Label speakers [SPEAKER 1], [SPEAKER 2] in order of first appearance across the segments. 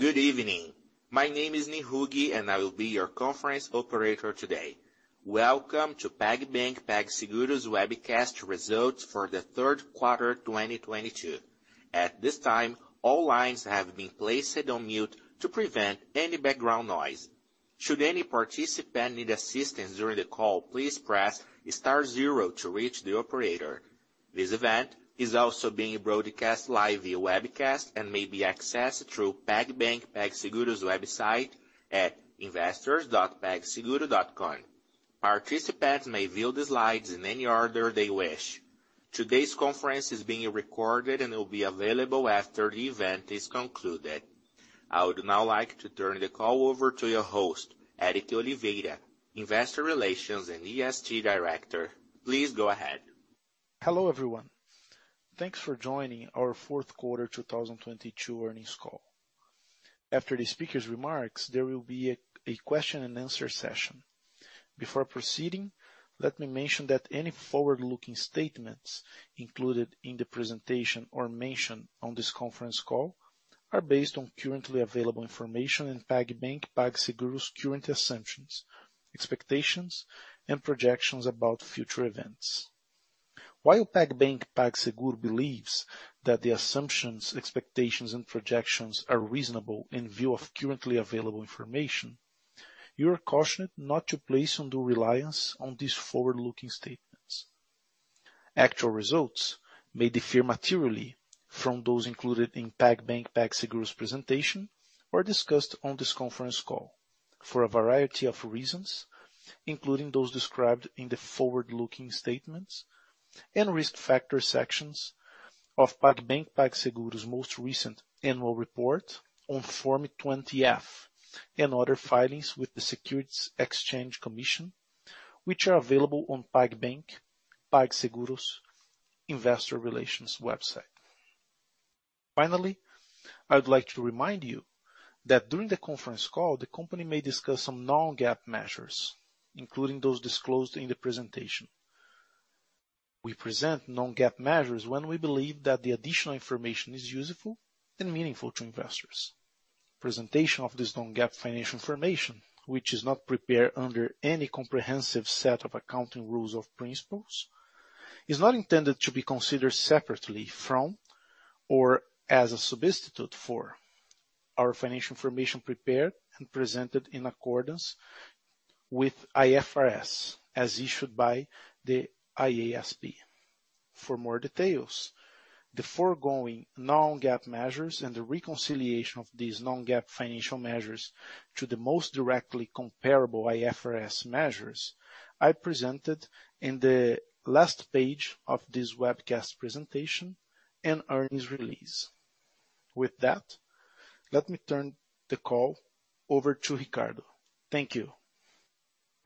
[SPEAKER 1] Good evening. My name is Nihuge. I will be your conference operator today. Welcome to PagBank PagSeguro's Webcast Results for the Third Quarter 2022. At this time, all lines have been placed on mute to prevent any background noise. Should any participant need assistance during the call, please press star zero to reach the operator. This event is also being broadcast live via webcast and may be accessed through PagBank PagSeguro's website at investors.pagseguro.com. Participants may view the slides in any order they wish. Today's conference is being recorded and will be available after the event is concluded. I would now like to turn the call over to your host, Éric Oliveira, Investor Relations and ESG Director. Please go ahead.
[SPEAKER 2] Hello, everyone. Thanks for joining our fourth quarter 2022 earnings call. After the speaker's remarks, there will be a question and answer session. Before proceeding, let me mention that any forward-looking statements included in the presentation or mentioned on this conference call are based on currently available information in PagBank PagSeguro's current assumptions, expectations, and projections about future events. While PagBank PagSeguro believes that the assumptions, expectations, and projections are reasonable in view of currently available information, you are cautioned not to place undue reliance on these forward-looking statements. Actual results may differ materially from those included in PagBank PagSeguro's presentation or discussed on this conference call for a variety of reasons, including those described in the forward-looking statements and risk factor sections of PagBank PagSeguro's most recent annual report on Form 20-F and other filings with the Securities and Exchange Commission, which are available on PagBank PagSeguro's investor relations website. Finally, I would like to remind you that during the conference call, the company may discuss some non-GAAP measures, including those disclosed in the presentation. We present non-GAAP measures when we believe that the additional information is useful and meaningful to investors. Presentation of this non-GAAP financial information, which is not prepared under any comprehensive set of accounting rules or principles, is not intended to be considered separately from or as a substitute for our financial information prepared and presented in accordance with IFRS as issued by the IASB. For more details, the foregoing non-GAAP measures and the reconciliation of these non-GAAP financial measures to the most directly comparable IFRS measures are presented in the last page of this webcast presentation and earnings release. With that, let me turn the call over to Ricardo. Thank you.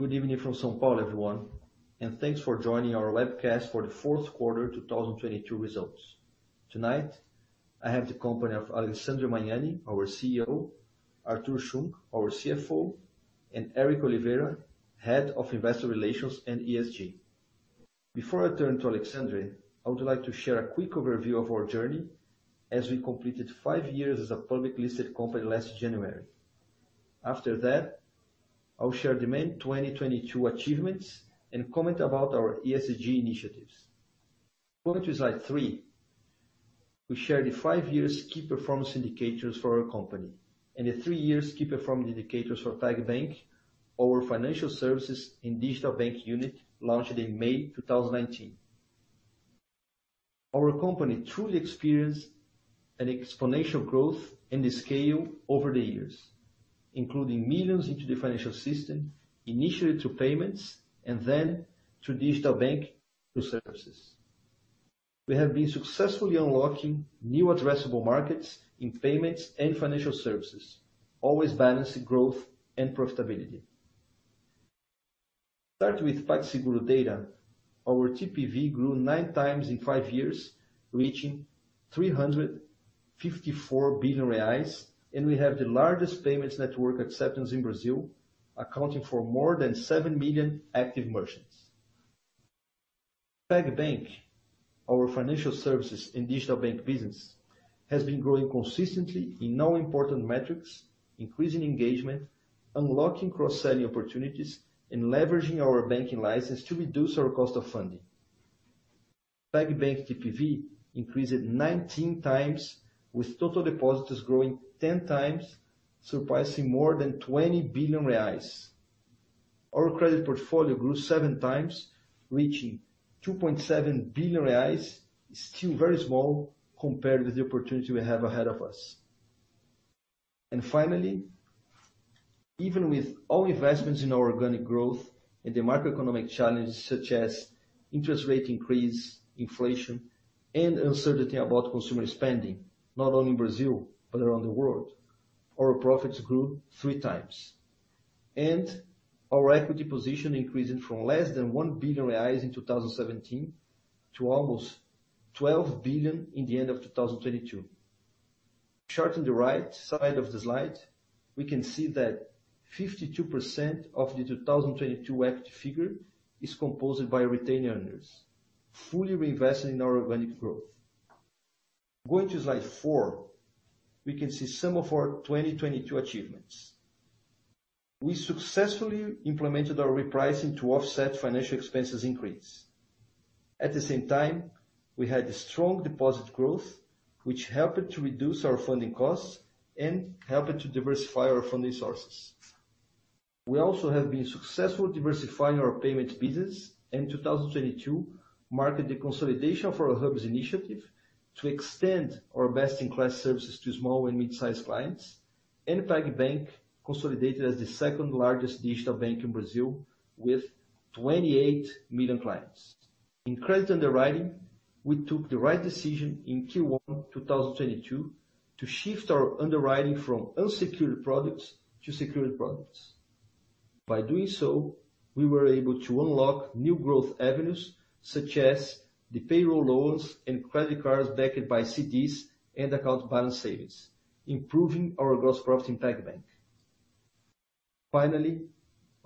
[SPEAKER 3] Good evening from São Paulo, everyone, thanks for joining our webcast for the fourth quarter 2022 results. Tonight, I have the company of Alexandre Magnani, our CEO, Artur Schunck, our CFO, and Éric Oliveira, Head of Investor Relations and ESG. Before I turn to Alexandre, I would like to share a quick overview of our journey as we completed five years as a public listed company last January. That, I will share the main 2022 achievements and comment about our ESG initiatives. Going to slide three, we share the five years key performance indicators for our company and the three years key performance indicators for PagBank, our financial services and digital bank unit launched in May 2019. Our company truly experienced an exponential growth in the scale over the years, including millions into the financial system, initially through payments and then through digital bank through services. We have been successfully unlocking new addressable markets in payments and financial services, always balancing growth and profitability. Starting with PagSeguro data, our TPV grew 9x in five years, reaching 354 billion reais, and we have the largest payments network acceptance in Brazil, accounting for more than 7 million active merchants. PagBank, our financial services and digital bank business, has been growing consistently in all important metrics, increasing engagement, unlocking cross-selling opportunities, and leveraging our banking license to reduce our cost of funding. PagBank TPV increased 19x with total depositors growing 10x, surpassing more than 20 billion reais. Our credit portfolio grew 7x, reaching 2.7 billion reais, still very small compared with the opportunity we have ahead of us. Finally, even with all investments in our organic growth and the macroeconomic challenges such as interest rate increase, inflation, and uncertainty about consumer spending, not only in Brazil, but around the world, our profits grew 3x and our equity position increased from less than 1 billion reais in 2017 to almost 12 billion in the end of 2022. Chart on the right side of the slide, we can see that 52% of the 2022 equity figure is composed by retained earnings. Fully reinvested in our organic growth. Going to slide four, we can see some of our 2022 achievements. We successfully implemented our repricing to offset financial expenses increase. At the same time, we had strong deposit growth, which helped to reduce our funding costs and helped to diversify our funding sources. We also have been successful diversifying our payments business, and 2022 marked the consolidation for our HUBs initiative to extend our best-in-class services to small and mid-sized clients. PagBank consolidated as the second largest digital bank in Brazil with 28 million clients. In credit underwriting, we took the right decision in Q1 2022 to shift our underwriting from unsecured products to secured products. By doing so, we were able to unlock new growth avenues, such as the payroll loans and credit cards backed by CDs and account balance savings, improving our gross profit in PagBank. Finally,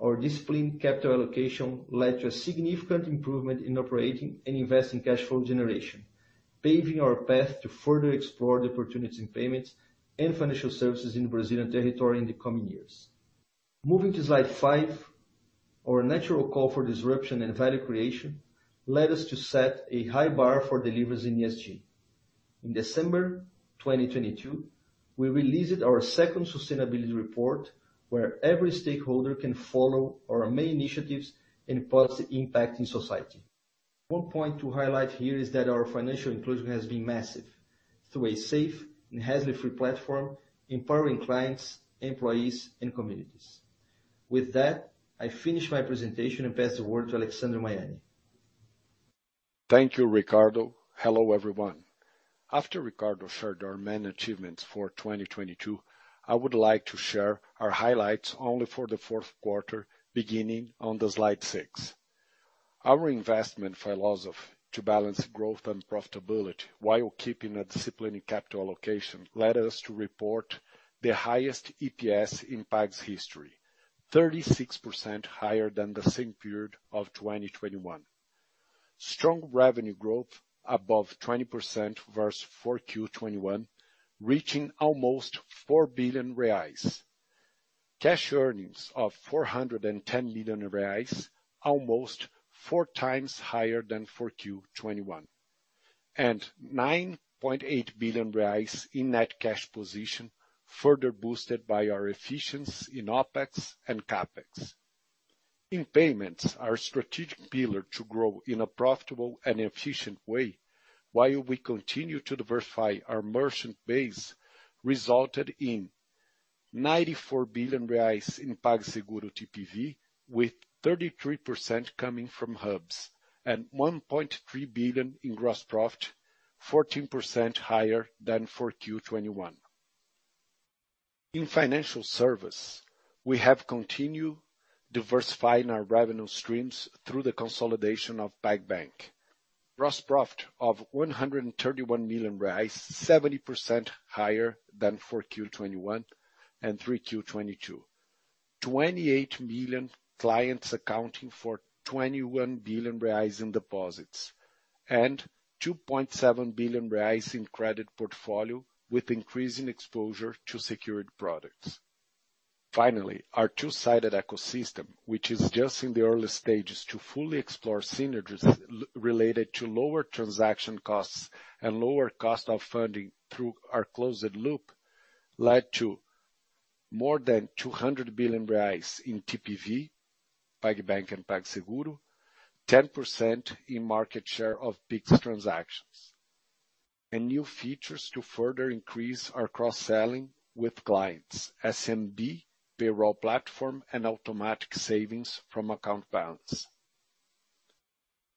[SPEAKER 3] our disciplined capital allocation led to a significant improvement in operating and investing cash flow generation, paving our path to further explore the opportunities in payments and financial services in Brazilian territory in the coming years. Moving to slide five, our natural call for disruption and value creation led us to set a high bar for deliveries in ESG. In December twenty twenty-two, we released our second sustainability report, where every stakeholder can follow our main initiatives and positive impact in society. One point to highlight here is that our financial inclusion has been massive through a safe and hassle-free platform, empowering clients, employees, and communities. With that, I finish my presentation and pass the word to Alexandre Magnani.
[SPEAKER 4] Thank you, Ricardo. Hello, everyone. After Ricardo shared our main achievements for 2022, I would like to share our highlights only for the fourth quarter, beginning on slide six. Our investment philosophy to balance growth and profitability while keeping a discipline in capital allocation led us to report the highest EPS in Pag's history, 36% higher than the same period of 2021. Strong revenue growth above 20% versus 4Q 2021, reaching almost 4 billion reais. Cash earnings of 410 million reais, almost 4x higher than 4Q 2021. 9.8 billion reais in net cash position, further boosted by our efficiency in OpEx and CapEx. In payments, our strategic pillar to grow in a profitable and efficient way while we continue to diversify our merchant base, resulted in 94 billion reais in PagSeguro TPV, with 33% coming from HUBs and 1.3 billion in gross profit, 14% higher than 4Q 2021. In financial service, we have continued diversifying our revenue streams through the consolidation of PagBank. Gross profit of 131 million, 70% higher than 4Q 2021 and 3Q 2022. 28 million clients accounting for 21 billion reais in deposits, and 2.7 billion reais in credit portfolio, with increasing exposure to secured products. Finally, our two-sided ecosystem, which is just in the early stages to fully explore synergies related to lower transaction costs and lower cost of funding through our closed loop, led to more than 200 billion reais in TPV, PagBank and PagSeguro, 10% in market share of Pix transactions, and new features to further increase our cross-selling with clients, SMB, payroll platform, and automatic savings from account balance.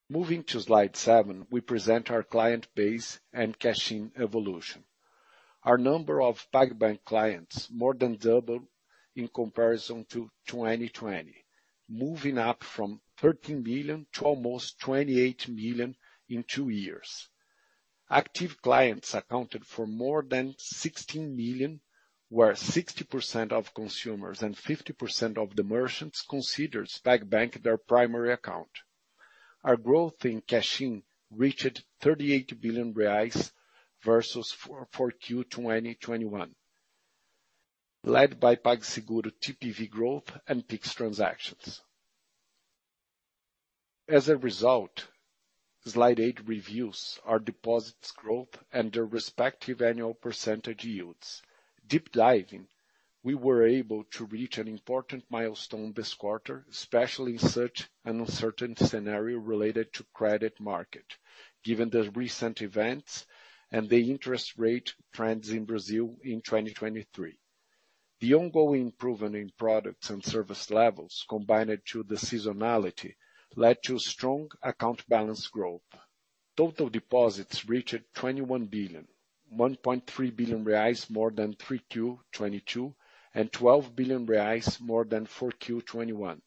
[SPEAKER 4] Moving to slide seven, we present our client base and cash-in evolution. Our number of PagBank clients more than doubled in comparison to 2020, moving up from 13 million to almost 28 million in two years. Active clients accounted for more than 16 million, where 60% of consumers and 50% of the merchants considers PagBank their primary account. Our growth in cash-in reached 38 billion reais versus 4 Q 2021, led by PagSeguro TPV growth and Pix transactions. As a result, slide eight reviews our deposits growth and their respective annual percentage yields. Deep diving, we were able to reach an important milestone this quarter, especially in such an uncertain scenario related to credit market, given the recent events and the interest rate trends in Brazil in 2023. The ongoing improvement in products and service levels, combined to the seasonality, led to strong account balance growth. Total deposits reached 21 billion, 1.3 billion reais more than 3Q 2022, and 12 billion reais more than 4Q 2021.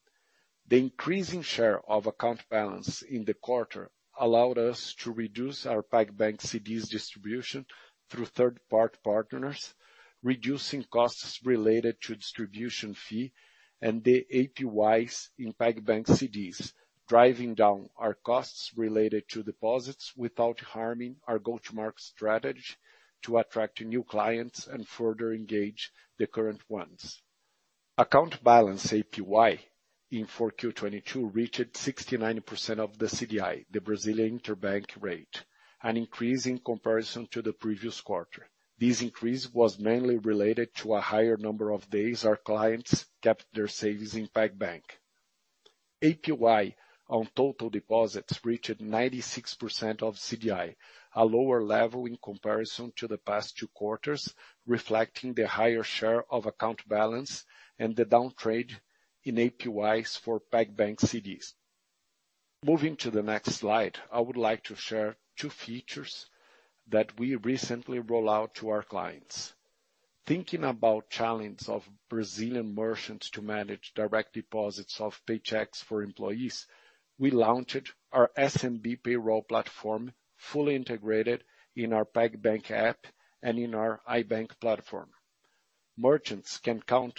[SPEAKER 4] The increasing share of account balance in the quarter allowed us to reduce our PagBank CDs distribution through third-party partners, reducing costs related to distribution fee and the APYs in PagBank CDs, driving down our costs related to deposits without harming our go-to-market strategy to attract new clients and further engage the current ones. Account balance APY in 4Q 2022 reached 69% of the CDI, the Brazilian Interbank Rate, an increase in comparison to the previous quarter. This increase was mainly related to a higher number of days our clients kept their savings in PagBank. APY on total deposits reached 96% of CDI, a lower level in comparison to the past two quarters, reflecting the higher share of account balance and the downtrade in APYs for PagBank CDs. Moving to the next slide, I would like to share two features that we recently roll out to our clients. Thinking about challenge of Brazilian merchants to manage direct deposits of paychecks for employees, we launched our SMB payroll platform, fully integrated in our PagBank app and in our iBank platform. Merchants can count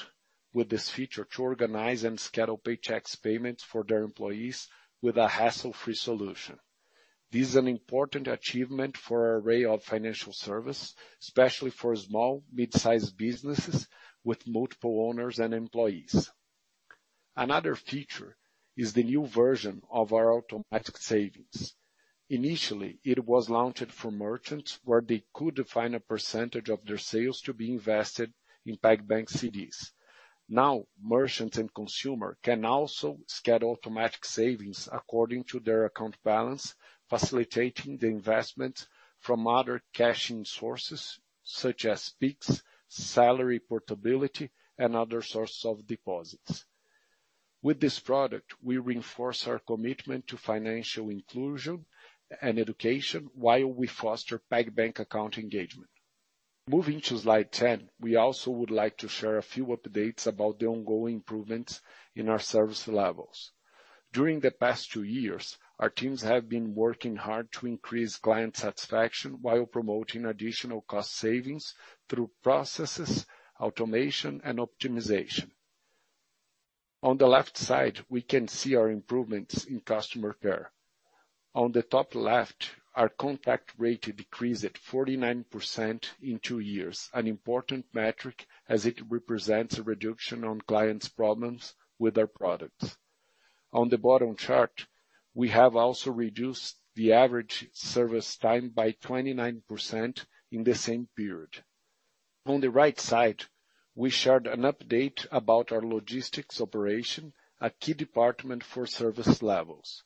[SPEAKER 4] with this feature to organize and schedule paychecks payments for their employees with a hassle-free solution. This is an important achievement for our array of financial service, especially for small, mid-size businesses with multiple owners and employees. Another feature is the new version of our automatic savings. Initially, it was launched for merchants where they could define a percentage of their sales to be invested in PagBank CDs. Now, merchants and consumer can also schedule automatic savings according to their account balance, facilitating the investment from other cashing sources such as Pix, salary portability, and other sources of deposits. With this product, we reinforce our commitment to financial inclusion and education while we foster PagBank account engagement. Moving to slide 10, we also would like to share a few updates about the ongoing improvements in our service levels. During the past two years, our teams have been working hard to increase client satisfaction while promoting additional cost savings through processes, automation, and optimization. On the left side, we can see our improvements in customer care. On the top left, our contact rate decreased 49% in two years, an important metric as it represents a reduction on clients' problems with our products. On the bottom chart, we have also reduced the average service time by 29% in the same period. On the right side, we shared an update about our logistics operation, a key department for service levels.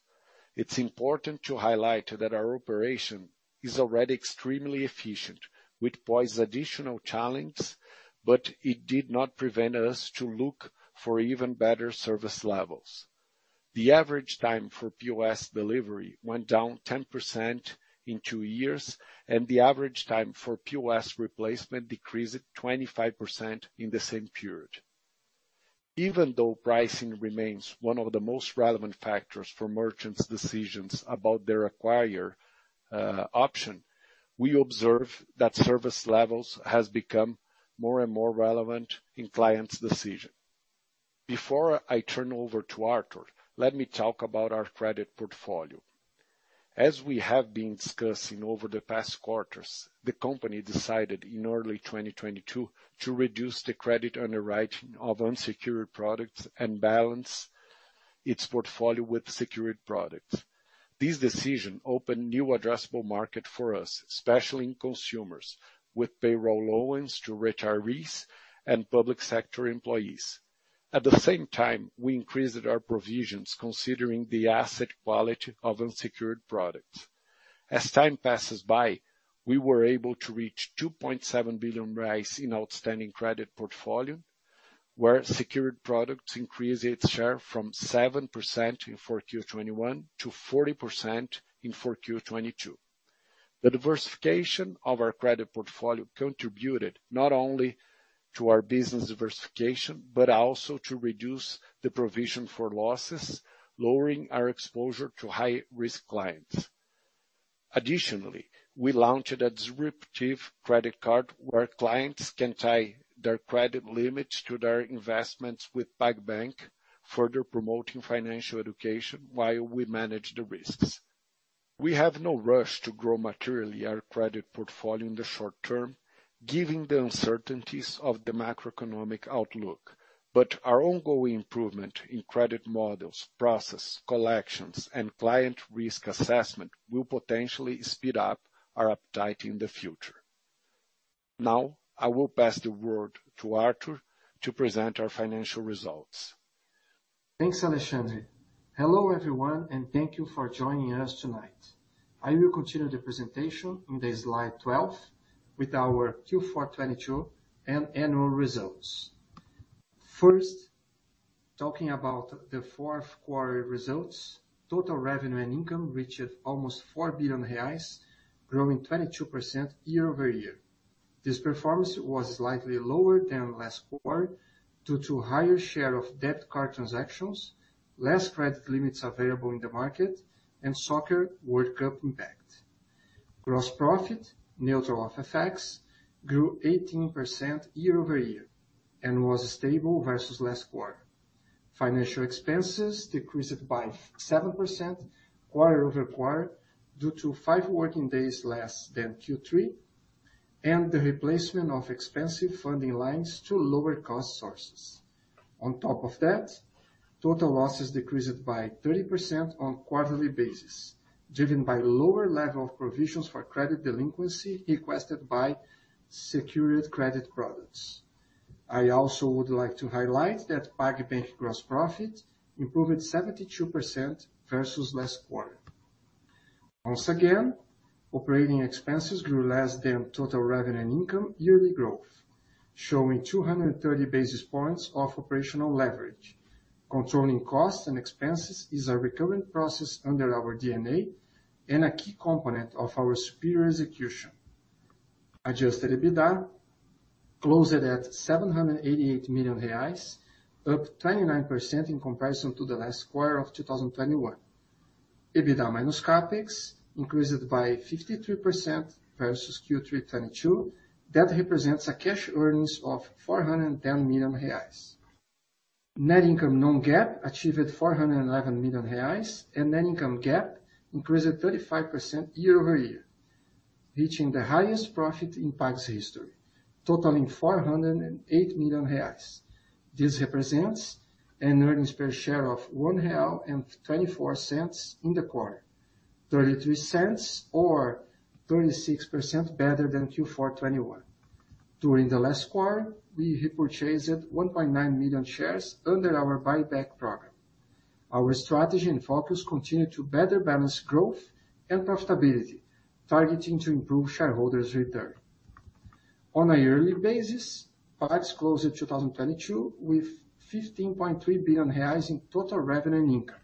[SPEAKER 4] It's important to highlight that our operation is already extremely efficient, which pose additional challenge, but it did not prevent us to look for even better service levels. The average time for POS delivery went down 10% in two years, and the average time for POS replacement decreased 25% in the same period. Even though pricing remains one of the most relevant factors for merchants' decisions about their acquirer option, we observe that service levels has become more and more relevant in clients' decision. Before I turn over to Artur, let me talk about our credit portfolio. As we have been discussing over the past quarters, the company decided in early 2022 to reduce the credit underwriting of unsecured products and balance its portfolio with secured products. This decision opened new addressable market for us, especially in consumers with payroll loans to retirees and public sector employees. At the same time, we increased our provisions considering the asset quality of unsecured products. As time passes by, we were able to reach 2.7 billion in outstanding credit portfolio, where secured products increased its share from 7% in 4Q 2021 to 40% in 4Q 2022. The diversification of our credit portfolio contributed not only to our business diversification, but also to reduce the provision for losses, lowering our exposure to high-risk clients. Additionally, we launched a disruptive credit card where clients can tie their credit limits to their investments with PagBank, further promoting financial education while we manage the risks. We have no rush to grow materially our credit portfolio in the short term, given the uncertainties of the macroeconomic outlook. Our ongoing improvement in credit models, process, collections, and client risk assessment will potentially speed up our appetite in the future. Now, I will pass the word to Artur to present our financial results.
[SPEAKER 5] Thanks, Alexandre. Hello, everyone. Thank you for joining us tonight. I will continue the presentation in slide 12 with our Q4 2022 and annual results. First, talking about the fourth quarter results, total revenue and income reached almost 4 billion reais, growing 22% year-over-year. This performance was slightly lower than last quarter due to higher share of debit card transactions, less credit limits available in the market, and Soccer World Cup impact. Gross profit, neutral of effects, grew 18% year-over-year and was stable versus last quarter. Financial expenses decreased by 7% quarter-over-quarter due to five working days less than Q3 and the replacement of expensive funding lines to lower cost sources. On top of that, total losses decreased by 30% on quarterly basis, driven by lower level of provisions for credit delinquency requested by secured credit products. I also would like to highlight that PagBank gross profit improved 72% versus last quarter. Once again, operating expenses grew less than total revenue and income yearly growth, showing 230 basis points of operational leverage. Controlling costs and expenses is a recurring process under our D&A and a key component of our superior execution. Adjusted EBITDA closed at 788 million reais, up 29% in comparison to the last quarter of 2021. EBITDA minus CapEx increased by 53% versus Q3 2022. That represents a cash earnings of 410 million reais. Net income non-GAAP achieved 411 million reais, and net income GAAP increased 35% year-over-year, reaching the highest profit in PAGS's history, totaling 408 million reais. This represents an earnings per share of 1.24 real in the quarter, 0.33 or 36% better than Q4 2021. During the last quarter, we repurchased 1.9 million shares under our buyback program. Our strategy and focus continue to better balance growth and profitability, targeting to improve shareholders return. On a yearly basis, PAGS's closed 2022 with 15.3 billion reais in total revenue and income,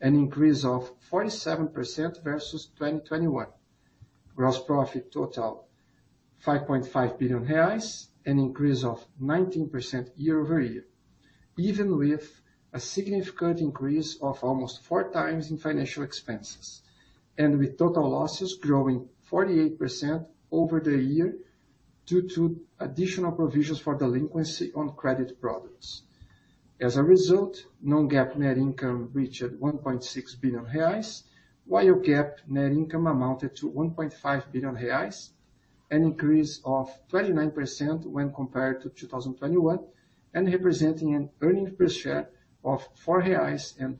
[SPEAKER 5] an increase of 47% versus 2021. Gross profit total, 5.5 billion reais, an increase of 19% year-over-year, even with a significant increase of almost 4x in financial expenses, and with total losses growing 48% over the year due to additional provisions for delinquency on credit products. As a result, non-GAAP net income reached 1.6 billion reais, while GAAP net income amounted to 1.5 billion reais, an increase of 29% when compared to 2021, and representing an earning per share of 4.57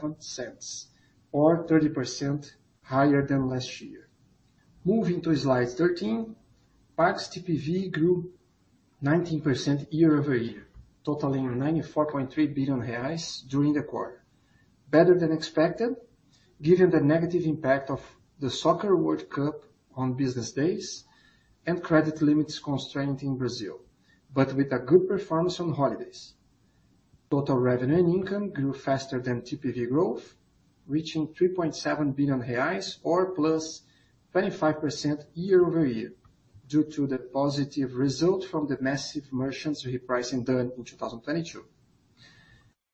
[SPEAKER 5] reais or 30% higher than last year. Moving to slide 13. PAGS's TPV grew 19% year-over-year, totaling 94.3 billion reais during the quarter. Better than expected, given the negative impact of the Soccer World Cup on business days and credit limits constrained in Brazil, with a good performance on holidays. Total revenue and income grew faster than TPV growth, reaching 3.7 billion reais or +25% year-over-year due to the positive result from the massive merchants repricing done in 2022.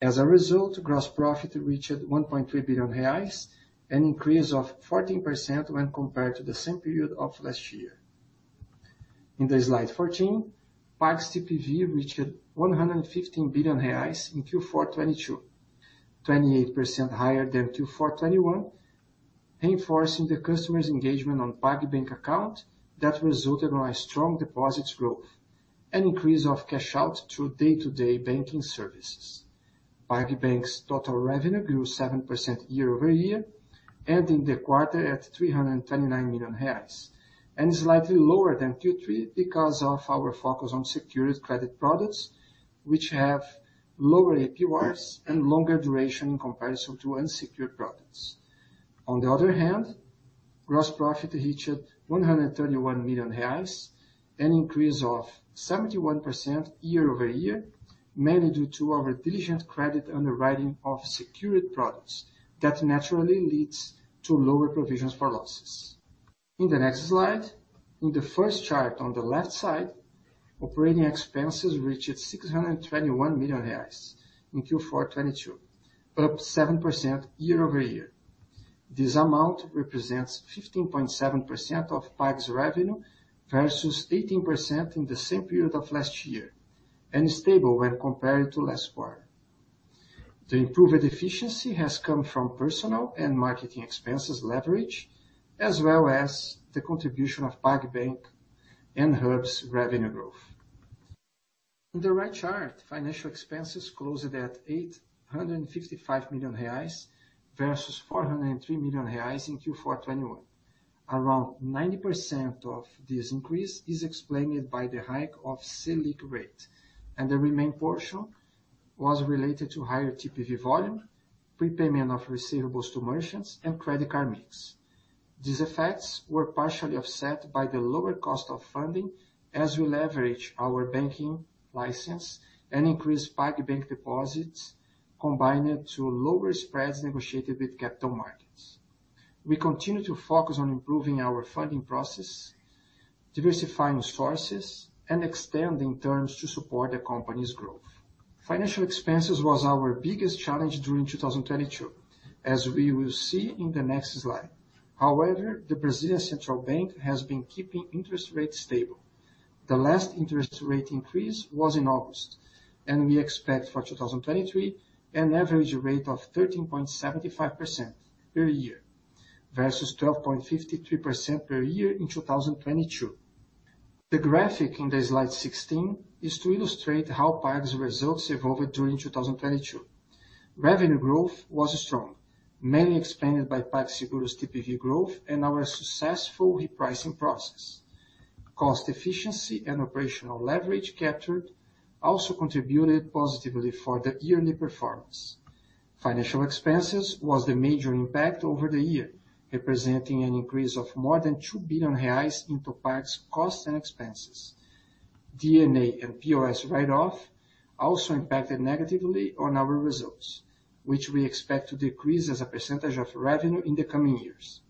[SPEAKER 5] As a result, gross profit reached 1.3 billion reais, an increase of 14% when compared to the same period of last year. In the slide 14, PAGS's TPV reached BRL 115 billion in Q4 2022, 28% higher than Q4 2021, reinforcing the customer's engagement on PagBank account that resulted in a strong deposits growth, an increase of cash out through day-to-day banking services. PagBank's total revenue grew 7% year-over-year, ending the quarter at 329 million, and slightly lower than Q3 because of our focus on secured credit products, which have lower APY and longer duration in comparison to unsecured products. On the other hand, gross profit reached 131 million reais, an increase of 71% year-over-year, mainly due to our diligent credit underwriting of secured products that naturally leads to lower provisions for losses. The next slide, in the first chart on the left side, operating expenses reached 621 million reais in Q4 2022, up 7% year-over-year. This amount represents 15.7% of PAGS's revenue versus 18% in the same period of last year, and stable when compared to last quarter. The improved efficiency has come from personal and marketing expenses leverage, as well as the contribution of PagBank and HUB's revenue growth. The right chart, financial expenses closed at 855 million reais versus 403 million reais in Q4 2021. Around 90% of this increase is explained by the hike of Selic rate, the remaining portion was related to higher TPV volume, prepayment of receivables to merchants, and credit card mix. These effects were partially offset by the lower cost of funding as we leverage our banking license and increase PagBank deposits, combined to lower spreads negotiated with capital markets. We continue to focus on improving our funding process, diversifying sources, and extending terms to support the company's growth. Financial expenses was our biggest challenge during 2022, as we will see in the next slide. However, the Brazilian Central Bank has been keeping interest rates stable. The last interest rate increase was in August, and we expect for 2023 an average rate of 13.75% per year versus 12.53% per year in 2022. The graphic in the slide 16 is to illustrate how PAGS's results evolved during 2022. Revenue growth was strong, mainly expanded by PagSeguro's TPV growth and our successful repricing process. Cost efficiency and operational leverage captured also contributed positively for the yearly performance. Financial expenses was the major impact over the year, representing an increase of more than 2 billion reais into PAGS's costs and expenses. D&A and POS write-off also impacted negatively on our results, which we expect to decrease as a percentage of revenue in the coming years.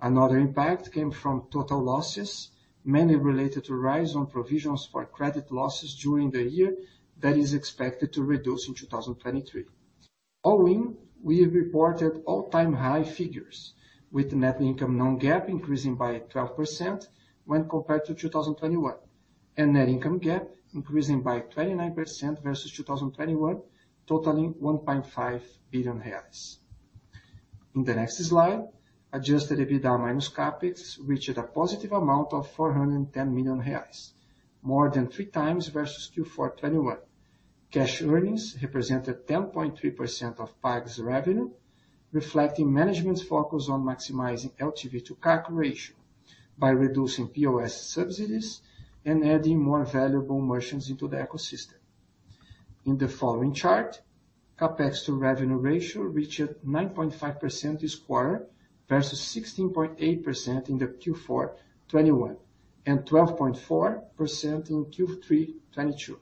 [SPEAKER 5] Another impact came from total losses, mainly related to rise on provisions for credit losses during the year that is expected to reduce in 2023. All in, we have reported all-time high figures, with net income non-GAAP increasing by 12% when compared to 2021, and net income GAAP increasing by 29% versus 2021, totaling 1.5 billion reais. In the next slide, adjusted EBITDA minus CapEx reached a positive amount of 410 million reais, more than 3x versus Q4 2021. Cash earnings represented 10.3% of PAGS's revenue, reflecting management's focus on maximizing LTV to CAC ratio by reducing POS subsidies and adding more valuable merchants into the ecosystem. In the following chart, CapEx to revenue ratio reached 9.5% this quarter versus 16.8% in the Q4 2021, and 12.4% in Q3 2022.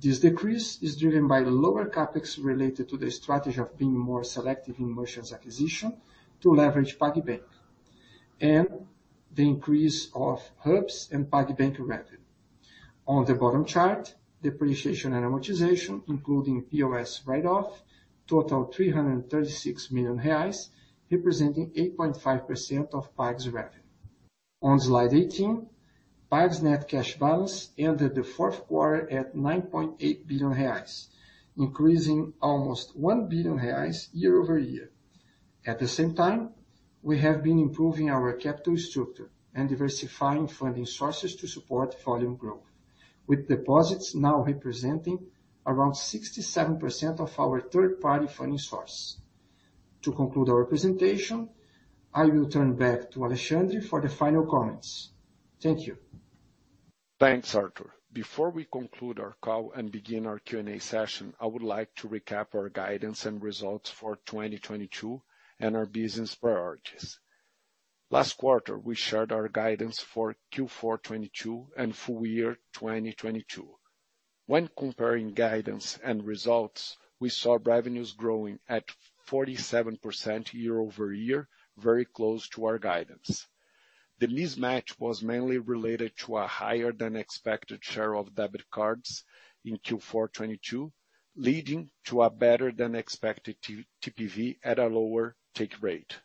[SPEAKER 5] This decrease is driven by lower CapEx related to the strategy of being more selective in merchants acquisition to leverage PagBank, and the increase of HUBs and PagBank revenue. On the bottom chart, depreciation and amortization, including POS write-off, total 336 million reais, representing 8.5% of PAGS's revenue. On slide 18, PAGS's net cash balance ended the fourth quarter at 9.8 billion reais, increasing almost 1 billion reais year-over-year. At the same time, we have been improving our capital structure and diversifying funding sources to support volume growth, with deposits now representing around 67% of our third-party funding source. To conclude our presentation, I will turn back to Alexandre for the final comments. Thank you.
[SPEAKER 4] Thanks, Artur. Before we conclude our call and begin our Q&A session, I would like to recap our guidance and results for 2022 and our business priorities. Last quarter, we shared our guidance for Q4 22 and full year 2022. When comparing guidance and results, we saw revenues growing at 47% year-over-year, very close to our guidance. The mismatch was mainly related to a higher than expected share of debit cards in Q4 22, leading to a better than expected T-TPV at a lower take rate.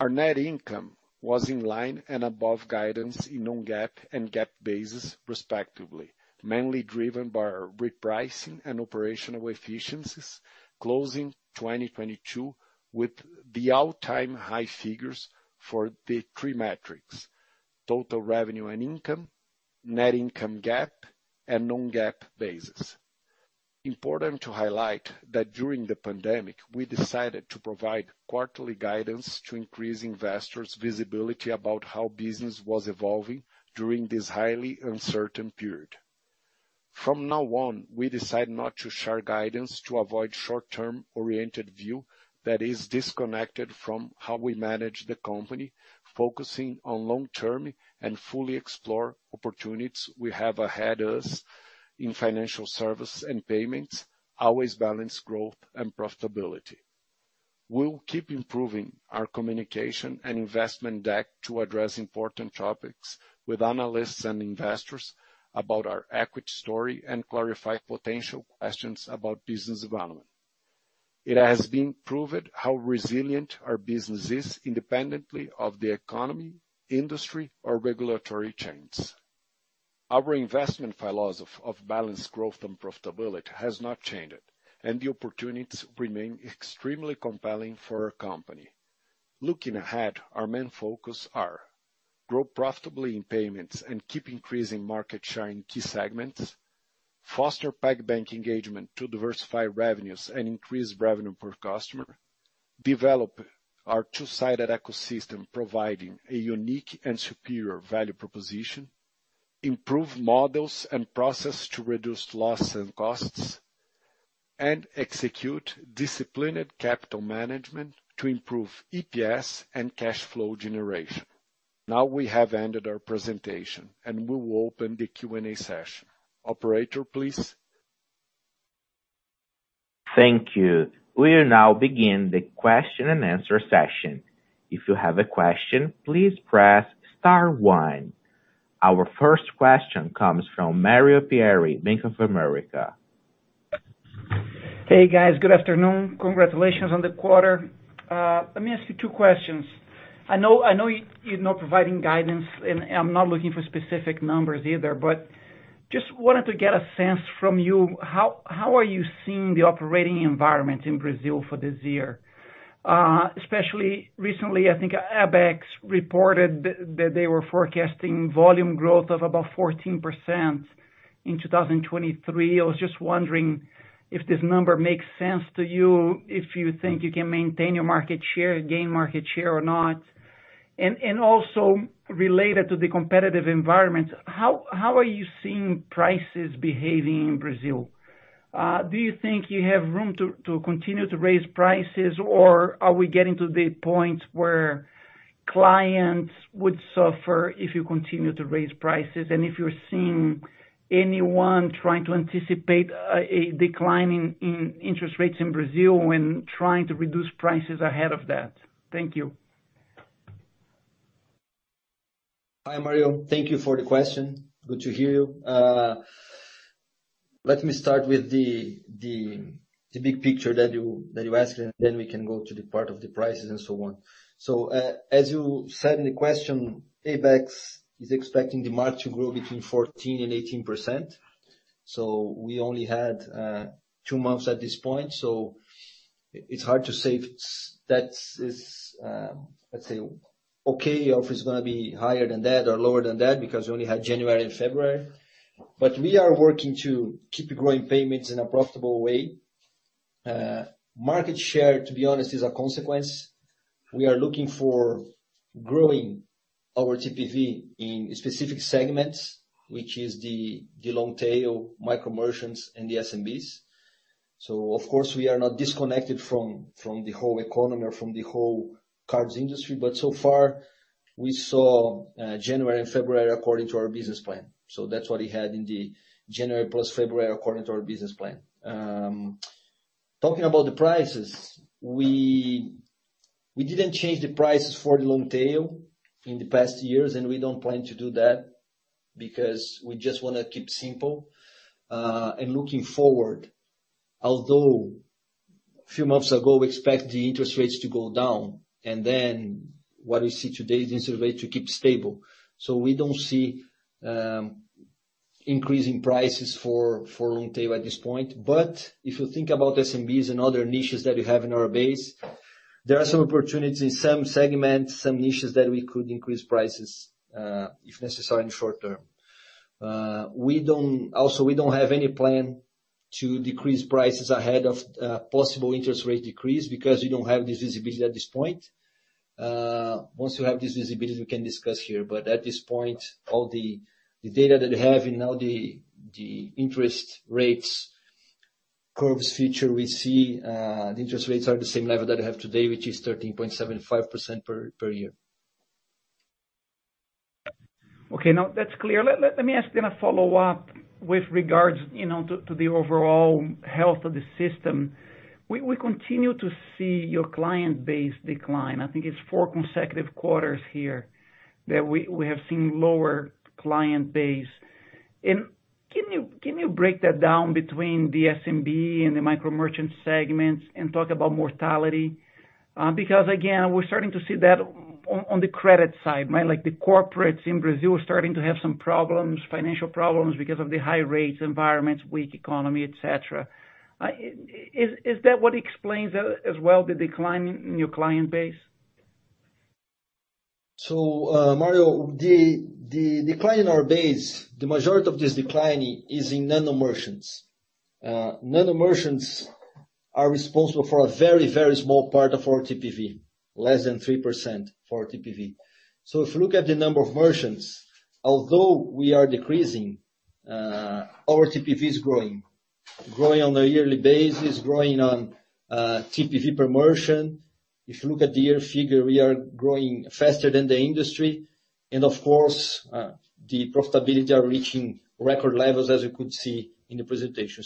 [SPEAKER 4] Our net income was in line and above guidance in non-GAAP and GAAP basis, respectively, mainly driven by our repricing and operational efficiencies, closing 2022 with the all-time high figures for the three metrics: total revenue and income, net income GAAP, and non-GAAP basis. Important to highlight that during the pandemic, we decided to provide quarterly guidance to increase investors' visibility about how business was evolving during this highly uncertain period. From now on, we decide not to share guidance to avoid short-term oriented view that is disconnected from how we manage the company, focusing on long-term and fully explore opportunities we have ahead of us in financial service and payments, always balance growth and profitability. We'll keep improving our communication and investment deck to address important topics with analysts and investors about our equity story and clarify potential questions about business development. It has been proven how resilient our business is independently of the economy, industry, or regulatory changes. Our investment philosophy of balanced growth and profitability has not changed, and the opportunities remain extremely compelling for our company. Looking ahead, our main focus are grow profitably in payments and keep increasing market share in key segments, foster PagBank engagement to diversify revenues and increase revenue per customer, develop our two-sided ecosystem providing a unique and superior value proposition, improve models and process to reduce loss and costs, and execute disciplined capital management to improve EPS and cash flow generation. Now we have ended our presentation, and we will open the Q&A session. Operator, please
[SPEAKER 1] Thank you. We'll now begin the question and answer session. If you have a question, please press star one. Our first question comes from Mario Pierry, Bank of America.
[SPEAKER 6] Hey, guys. Good afternoon. Congratulations on the quarter. Let me ask you two questions. I know, I know you're not providing guidance, and I'm not looking for specific numbers either, but just wanted to get a sense from you, how are you seeing the operating environment in Brazil for this year? Especially recently, I think Abecs reported that they were forecasting volume growth of about 14% in 2023. I was just wondering if this number makes sense to you, if you think you can maintain your market share, gain market share or not. Also related to the competitive environment, how are you seeing prices behaving in Brazil? Do you think you have room to continue to raise prices or are we getting to the point where clients would suffer if you continue to raise prices? If you're seeing anyone trying to anticipate a decline in interest rates in Brazil when trying to reduce prices ahead of that? Thank you.
[SPEAKER 3] Hi, Mario. Thank you for the question. Good to hear you. Let me start with the big picture that you asked, then we can go to the part of the prices and so on. As you said in the question, Abecs is expecting the market to grow between 14% and 18%. We only had two months at this point, so it's hard to say if that is, let's say, okay, or if it's gonna be higher than that or lower than that, because we only had January and February. We are working to keep growing payments in a profitable way. Market share, to be honest, is a consequence. We are looking for growing our TPV in specific segments, which is the long tail micro merchants and the SMBs. Of course, we are not disconnected from the whole economy or from the whole cards industry. So far, we saw January and February according to our business plan. That's what we had in the January plus February according to our business plan. Talking about the prices, we didn't change the prices for the long tail in the past years, and we don't plan to do that because we just wanna keep simple. And looking forward, although a few months ago, we expect the interest rates to go down, and then what we see today is interest rate to keep stable. We don't see increasing prices for long tail at this point. If you think about SMBs and other niches that we have in our base, there are some opportunities, some segments, some niches that we could increase prices if necessary in short term. We don't have any plan to decrease prices ahead of possible interest rate decrease because we don't have this visibility at this point. Once you have this visibility, we can discuss here. At this point, all the data that we have in all the interest rates curves future we see the interest rates are the same level that we have today, which is 13.75% per year.
[SPEAKER 6] Okay, now that's clear. Let me ask then a follow-up with regards, you know, to the overall health of the system. We continue to see your client base decline. I think it's four consecutive quarters here that we have seen lower client base. Can you break that down between the SMB and the micro merchant segments and talk about mortality? Because again, we're starting to see that on the credit side, right? Like the corporates in Brazil are starting to have some problems, financial problems because of the high rates environment, weak economy, et cetera. Is that what explains as well the decline in your client base?
[SPEAKER 3] Mario, the decline in our base, the majority of this decline is in nano merchants. Nano merchants are responsible for a very, very small part of our TPV, less than 3% for TPV. If you look at the number of merchants, although we are decreasing, our TPV is growing. Growing on a yearly basis, growing on TPV per merchant. If you look at the year figure, we are growing faster than the industry. Of course, the profitability are reaching record levels, as you could see in the presentation.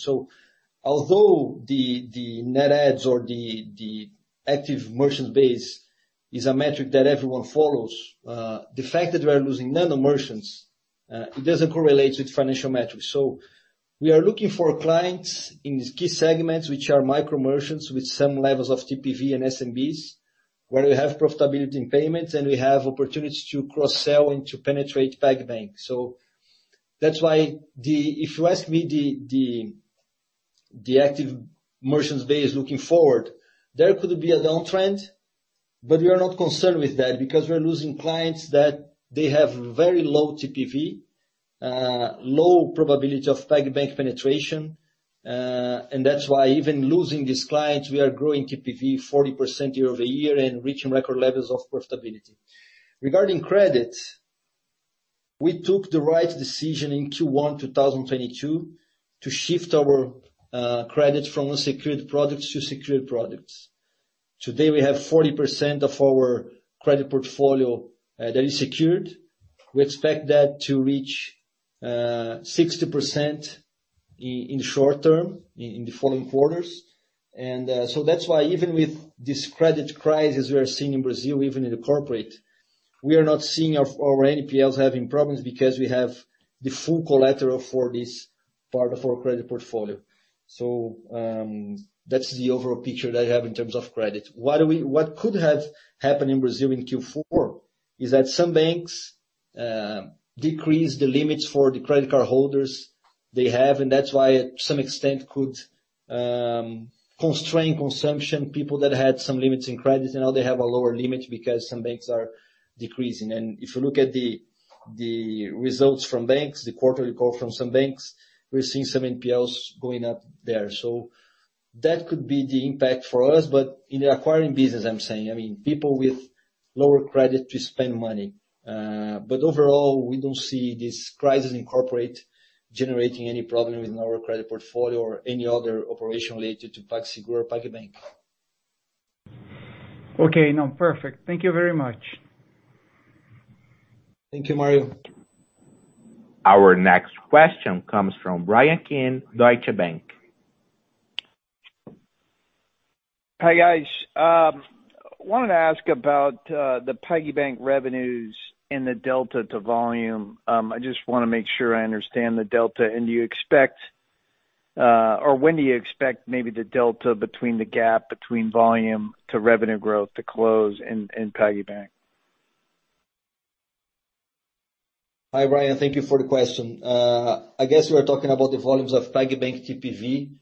[SPEAKER 3] Although the net adds or the active merchant base is a metric that everyone follows, the fact that we're losing nano merchants, it doesn't correlate with financial metrics. We are looking for clients in these key segments, which are micro merchants with some levels of TPV and SMBs, where we have profitability in payments and we have opportunities to cross-sell and to penetrate PagBank. That's why if you ask me the active merchants base looking forward, there could be a downtrend, but we are not concerned with that because we are losing clients that they have very low TPV, low probability of PagBank penetration. That's why even losing these clients, we are growing TPV 40% year-over-year and reaching record levels of profitability. Regarding credit, we took the right decision in Q1 2022 to shift our credit from unsecured products to secured products. Today we have 40% of our credit portfolio that is secured. We expect that to reach 60% in short term in the following quarters. That's why even with this credit crisis we are seeing in Brazil, even in the corporate, we are not seeing our NPLs having problems because we have the full collateral for this part of our credit portfolio. That's the overall picture that I have in terms of credit. What could have happened in Brazil in Q4, is that some banks decrease the limits for the credit card holders they have, and that's why to some extent could constrain consumption. People that had some limits in credit and now they have a lower limit because some banks are decreasing. If you look at the results from banks, the quarterly call from some banks, we're seeing some NPLs going up there. That could be the impact for us. In the acquiring business, I'm saying, I mean, people with lower credit to spend money. Overall, we don't see this crisis in corporate generating any problem in our credit portfolio or any other operation related to PagSeguro or PagBank.
[SPEAKER 6] Okay. No, perfect. Thank you very much.
[SPEAKER 3] Thank you, Mario.
[SPEAKER 1] Our next question comes from Bryan Keane, Deutsche Bank.
[SPEAKER 7] Hi, guys. Wanted to ask about the PagBank revenues and the delta to volume. I just wanna make sure I understand the delta. Do you expect, or when do you expect maybe the delta between the gap between volume to revenue growth to close in PagBank?
[SPEAKER 3] Hi, Bryan. Thank you for the question. I guess you are talking about the volumes of PagBank TPV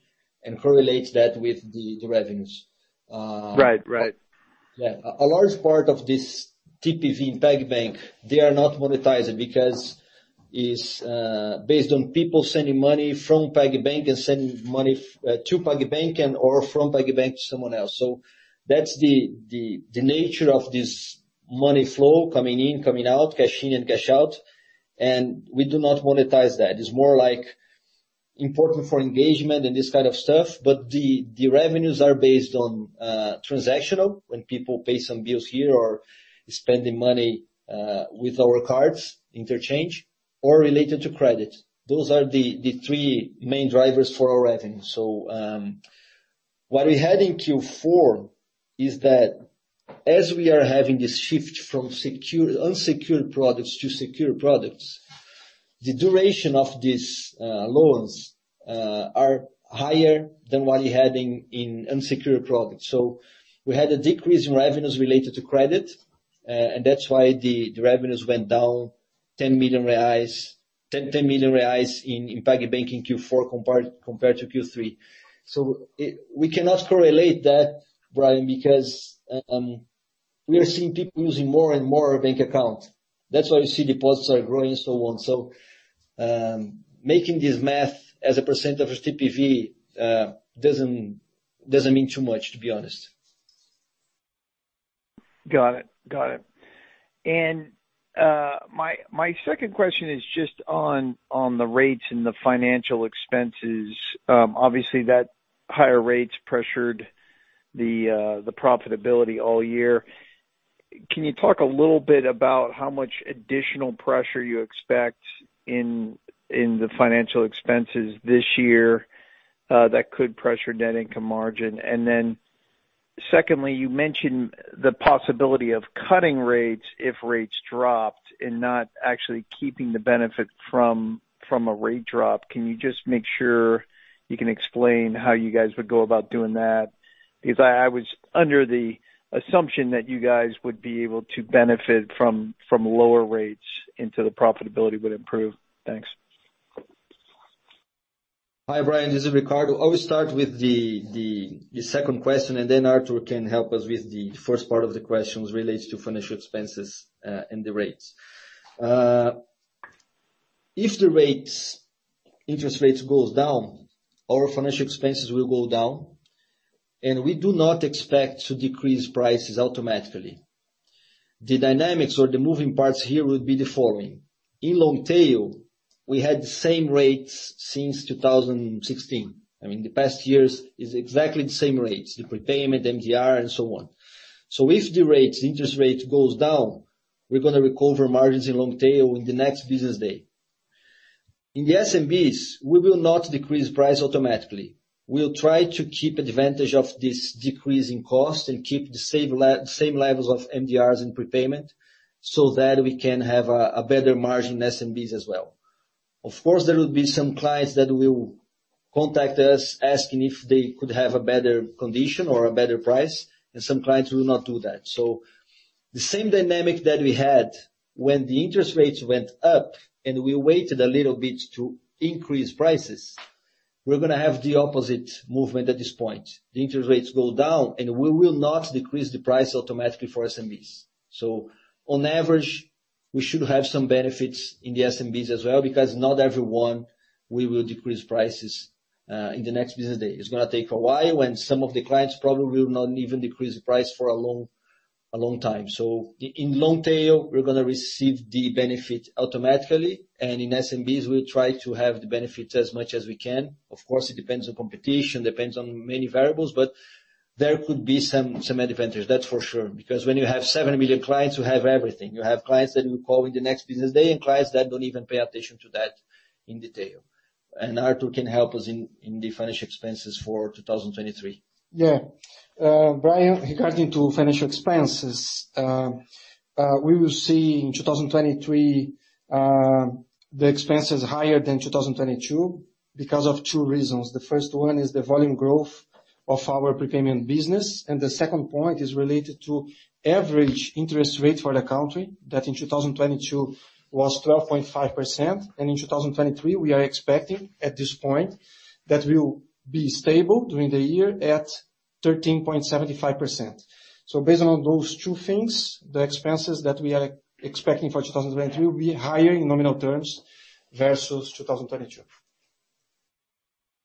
[SPEAKER 3] and correlates that with the revenues.
[SPEAKER 7] Right. Right.
[SPEAKER 3] Yeah. A large part of this TPV in PagBank, they are not monetizing because is based on people sending money from PagBank and sending money to PagBank and-or from PagBank to someone else. That's the nature of this money flow coming in, coming out, cash in and cash out, and we do not monetize that. It's more like important for engagement and this kind of stuff, but the revenues are based on transactional when people pay some bills here or spending money with our cards, interchange or related to credit. Those are the three main drivers for our revenue. What we had in Q4 is that as we are having this shift from unsecured products to secure products, the duration of these loans are higher than what we had in unsecured products. We had a decrease in revenues related to credit. That's why the revenues went down 10 million reais in PagBank in Q4 compared to Q3. We cannot correlate that, Bryan, because we are seeing people using more and more our bank account. That's why you see deposits are growing and so on. Making this math as a percent of TPV doesn't mean too much, to be honest.
[SPEAKER 7] Got it. Got it. My second question is just on the rates and the financial expenses. Obviously that higher rates pressured the profitability all year. Can you talk a little bit about how much additional pressure you expect in the financial expenses this year that could pressure net income margin? Secondly, you mentioned the possibility of cutting rates if rates dropped and not actually keeping the benefit from a rate drop. Can you just make sure you can explain how you guys would go about doing that? Because I was under the assumption that you guys would be able to benefit from lower rates into the profitability would improve. Thanks.
[SPEAKER 3] Hi, Bryan Keane, this is Ricardo Dutra. I will start with the second question. Then Artur Schunck can help us with the first part of the question relates to financial expenses and the rates. If the rates, interest rates goes down, our financial expenses will go down. We do not expect to decrease prices automatically. The dynamics or the moving parts here will be the following. In long tail, we had the same rates since 2016. I mean, the past years is exactly the same rates, the prepayment, MDR and so on. If the rates, interest rate goes down, we're gonna recover margins in long tail in the next business day. In the SMBs, we will not decrease price automatically. We'll try to keep advantage of this decrease in cost and keep the same levels of MDRs and prepayment so that we can have a better margin in SMBs as well. Of course, there will be some clients that will contact us asking if they could have a better condition or a better price, and some clients will not do that. The same dynamic that we had when the interest rates went up and we waited a little bit to increase prices, we're gonna have the opposite movement at this point. The interest rates go down, and we will not decrease the price automatically for SMBs. On average, we should have some benefits in the SMBs as well because not everyone we will decrease prices in the next business day. It's gonna take a while, and some of the clients probably will not even decrease the price for a long time. In long tail, we're gonna receive the benefit automatically, and in SMBs, we'll try to have the benefits as much as we can. Of course, it depends on competition, depends on many variables, but there could be some advantage. That's for sure. When you have 7 million clients, you have everything. You have clients that you call in the next business day, and clients that don't even pay attention to that in detail. Artur can help us in the financial expenses for 2023.
[SPEAKER 5] Yeah. Bryan, regarding to financial expenses, we will see in 2023, the expenses higher than 2022 because of two reasons. The first one is the volume growth of our prepayment business, the second point is related to average interest rate for the country that in 2022 was 12.5%, in 2023, we are expecting, at this point, that will be stable during the year at 13.75%. Based on those two things, the expenses that we are expecting for 2023 will be higher in nominal terms versus 2022.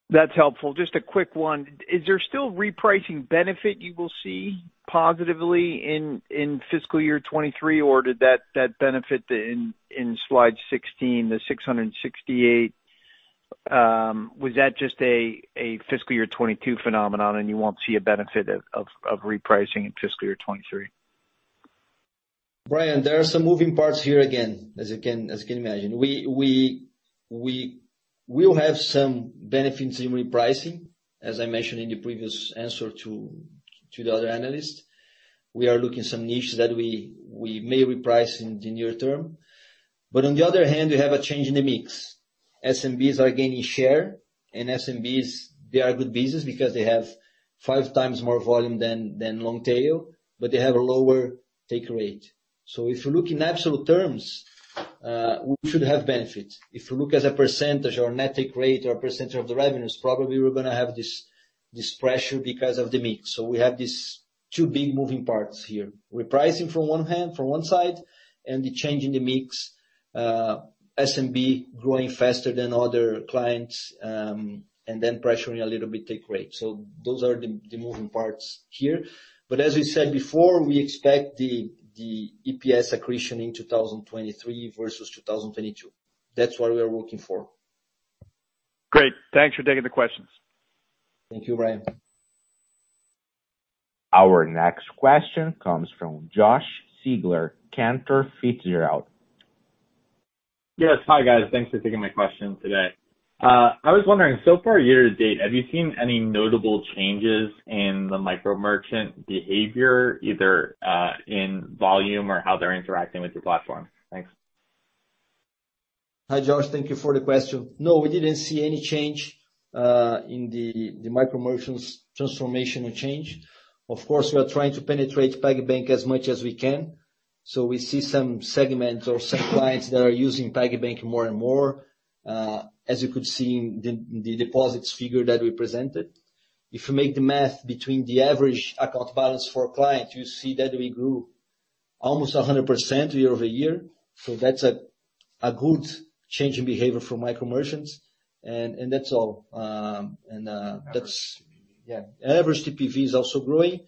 [SPEAKER 7] That's helpful. Just a quick one. Is there still repricing benefit you will see positively in fiscal year 2023, or did that benefit in slide 16, the 668, was that just a fiscal year 2022 phenomenon and you won't see a benefit of repricing in fiscal year 2023?
[SPEAKER 3] Bryan, there are some moving parts here again, as you can imagine. We will have some benefits in repricing, as I mentioned in the previous answer to the other analyst. We are looking some niches that we may reprice in the near term. On the other hand, we have a change in the mix. SMBs are gaining share, and SMBs, they are good business because they have 5x more volume than long tail, but they have a lower take rate. If you look in absolute terms, we should have benefit. If you look as a percent or net take rate or percent of the revenues, probably we're gonna have this pressure because of the mix. We have these two big moving parts here. Repricing from one hand, from one side, the change in the mix, SMB growing faster than other clients, then pressuring a little bit take rate. Those are the moving parts here. As we said before, we expect the EPS accretion in 2023 versus 2022. That's what we are working for.
[SPEAKER 7] Great. Thanks for taking the questions.
[SPEAKER 3] Thank you, Brian.
[SPEAKER 1] Our next question comes from Josh Siegler, Cantor Fitzgerald.
[SPEAKER 8] Yes. Hi guys. Thanks for taking my question today. I was wondering, so far year to date, have you seen any notable changes in the micro merchant behavior, either, in volume or how they're interacting with your platform? Thanks.
[SPEAKER 3] Hi Josh. Thank you for the question. No, we didn't see any change in the micro merchants transformational change. Of course, we are trying to penetrate PagBank as much as we can. We see some segments or some clients that are using PagBank more and more, as you could see in the deposits figure that we presented. If you make the math between the average account balance for a client, you see that we grew almost 100% year-over-year. That's a good change in behavior for micro merchants. That's all.
[SPEAKER 5] Average TPV.
[SPEAKER 3] Average TPV is also growing,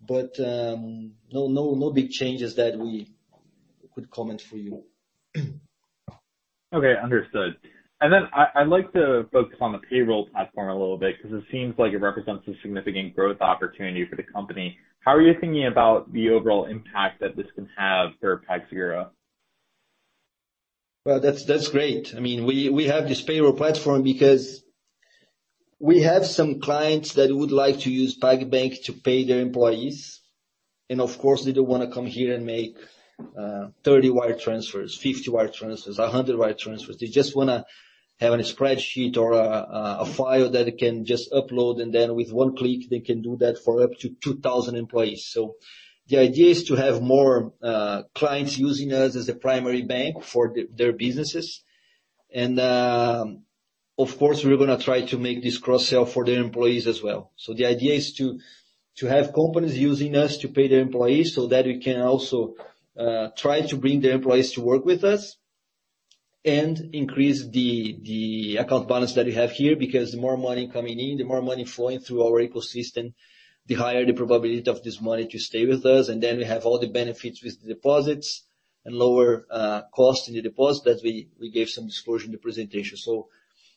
[SPEAKER 3] but, no, no big changes that we could comment for you.
[SPEAKER 8] Okay. Understood. Then I'd like to focus on the payroll platform a little bit 'cause it seems like it represents a significant growth opportunity for the company. How are you thinking about the overall impact that this can have for PagSeguro?
[SPEAKER 3] Well, that's great. I mean, we have this payroll platform because we have some clients that would like to use PagBank to pay their employees. Of course, they don't wanna come here and make 30 wire transfers, 50 wire transfers, 100 wire transfers. They just wanna have a spreadsheet or a file that they can just upload, and then with one click, they can do that for up to 2,000 employees. The idea is to have more clients using us as a primary bank for their businesses. Of course, we're gonna try to make this cross-sell for their employees as well. The idea is to have companies using us to pay their employees so that we can also try to bring their employees to work with us and increase the account balance that we have here. The more money coming in, the more money flowing through our ecosystem, the higher the probability of this money to stay with us. We have all the benefits with the deposits and lower cost in the deposit that we gave some disclosure in the presentation.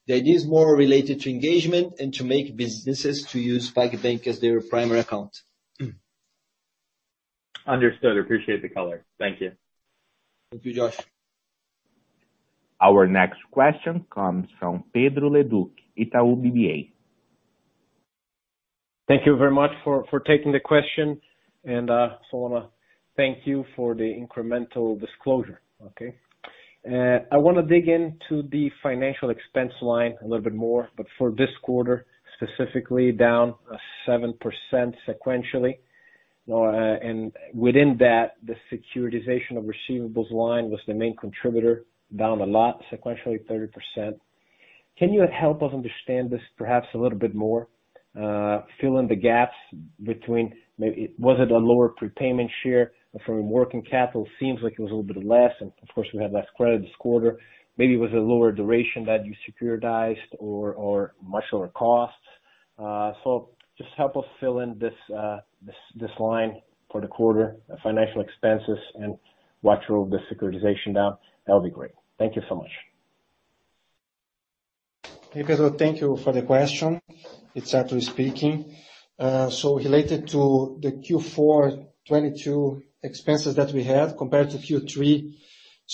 [SPEAKER 3] The idea is more related to engagement and to make businesses to use PagBank as their primary account.
[SPEAKER 8] Understood appreciate the color. Thank you.
[SPEAKER 3] Thank you Josh.
[SPEAKER 1] Our next question comes from Pedro Leduc, Itaú BBA.
[SPEAKER 9] Thank you very much for taking the question. I wanna thank you for the incremental disclosure. Okay? I wanna dig into the financial expense line a little bit more, but for this quarter, specifically down 7% sequentially. Now, within that, the securitization of receivables line was the main contributor, down a lot, sequentially 30%. Can you help us understand this perhaps a little bit more? Fill in the gaps between Was it a lower prepayment share from working capital? Seems like it was a little bit less. Of course, we had less credit this quarter. Maybe it was a lower duration that you securitized or much lower costs. Just help us fill in this line for the quarter, the financial expenses and what drove the securitization down. That would be great. Thank you so much.
[SPEAKER 5] Hey Pedro, thank you for the question. It's Artur speaking. Related to the Q4 2022 expenses that we had compared to Q3.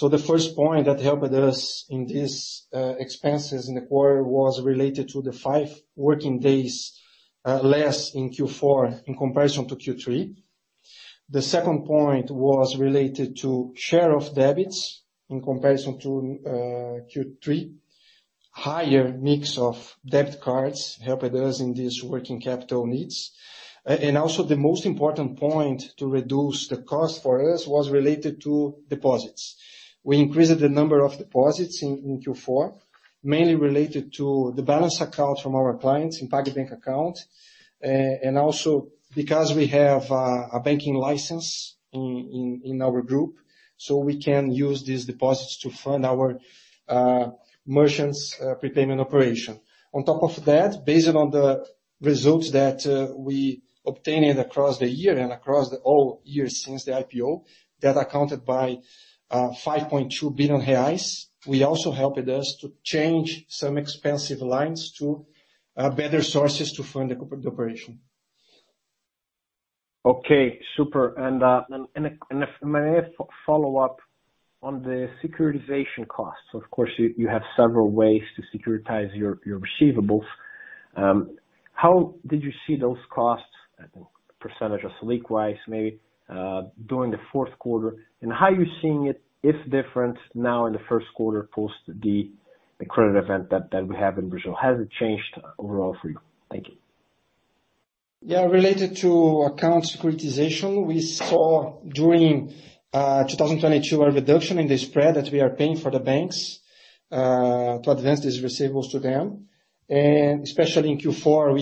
[SPEAKER 5] The first point that helped us in this expenses in the quarter was related to the five working days less in Q4 in comparison to Q3. The second point was related to share of debits in comparison to Q3. Higher mix of debt cards helped us in these working capital needs. Also the most important point to reduce the cost for us was related to deposits. We increased the number of deposits in Q4, mainly related to the balance account from our clients in PagBank account. Also because we have a banking license in our group, so we can use these deposits to fund our merchants' prepayment operation. On top of that, based on the results that we obtained across the year and across the whole year since the IPO, that accounted by 5.2 billion reais. We also helped us to change some expensive lines to better sources to fund the operation.
[SPEAKER 9] Okay, super. If I may follow up on the securitization costs. Of course, you have several ways to securitize your receivables. How did you see those costs at percentage of Selic-wise, maybe, during the fourth quarter, and how are you seeing it, if different now in the first quarter post the credit event that we have in Brazil? Has it changed overall for you? Thank you.
[SPEAKER 5] Yeah. Related to AR securitization, we saw during 2022 a reduction in the spread that we are paying for the banks to advance these receivables to them. Especially in Q4,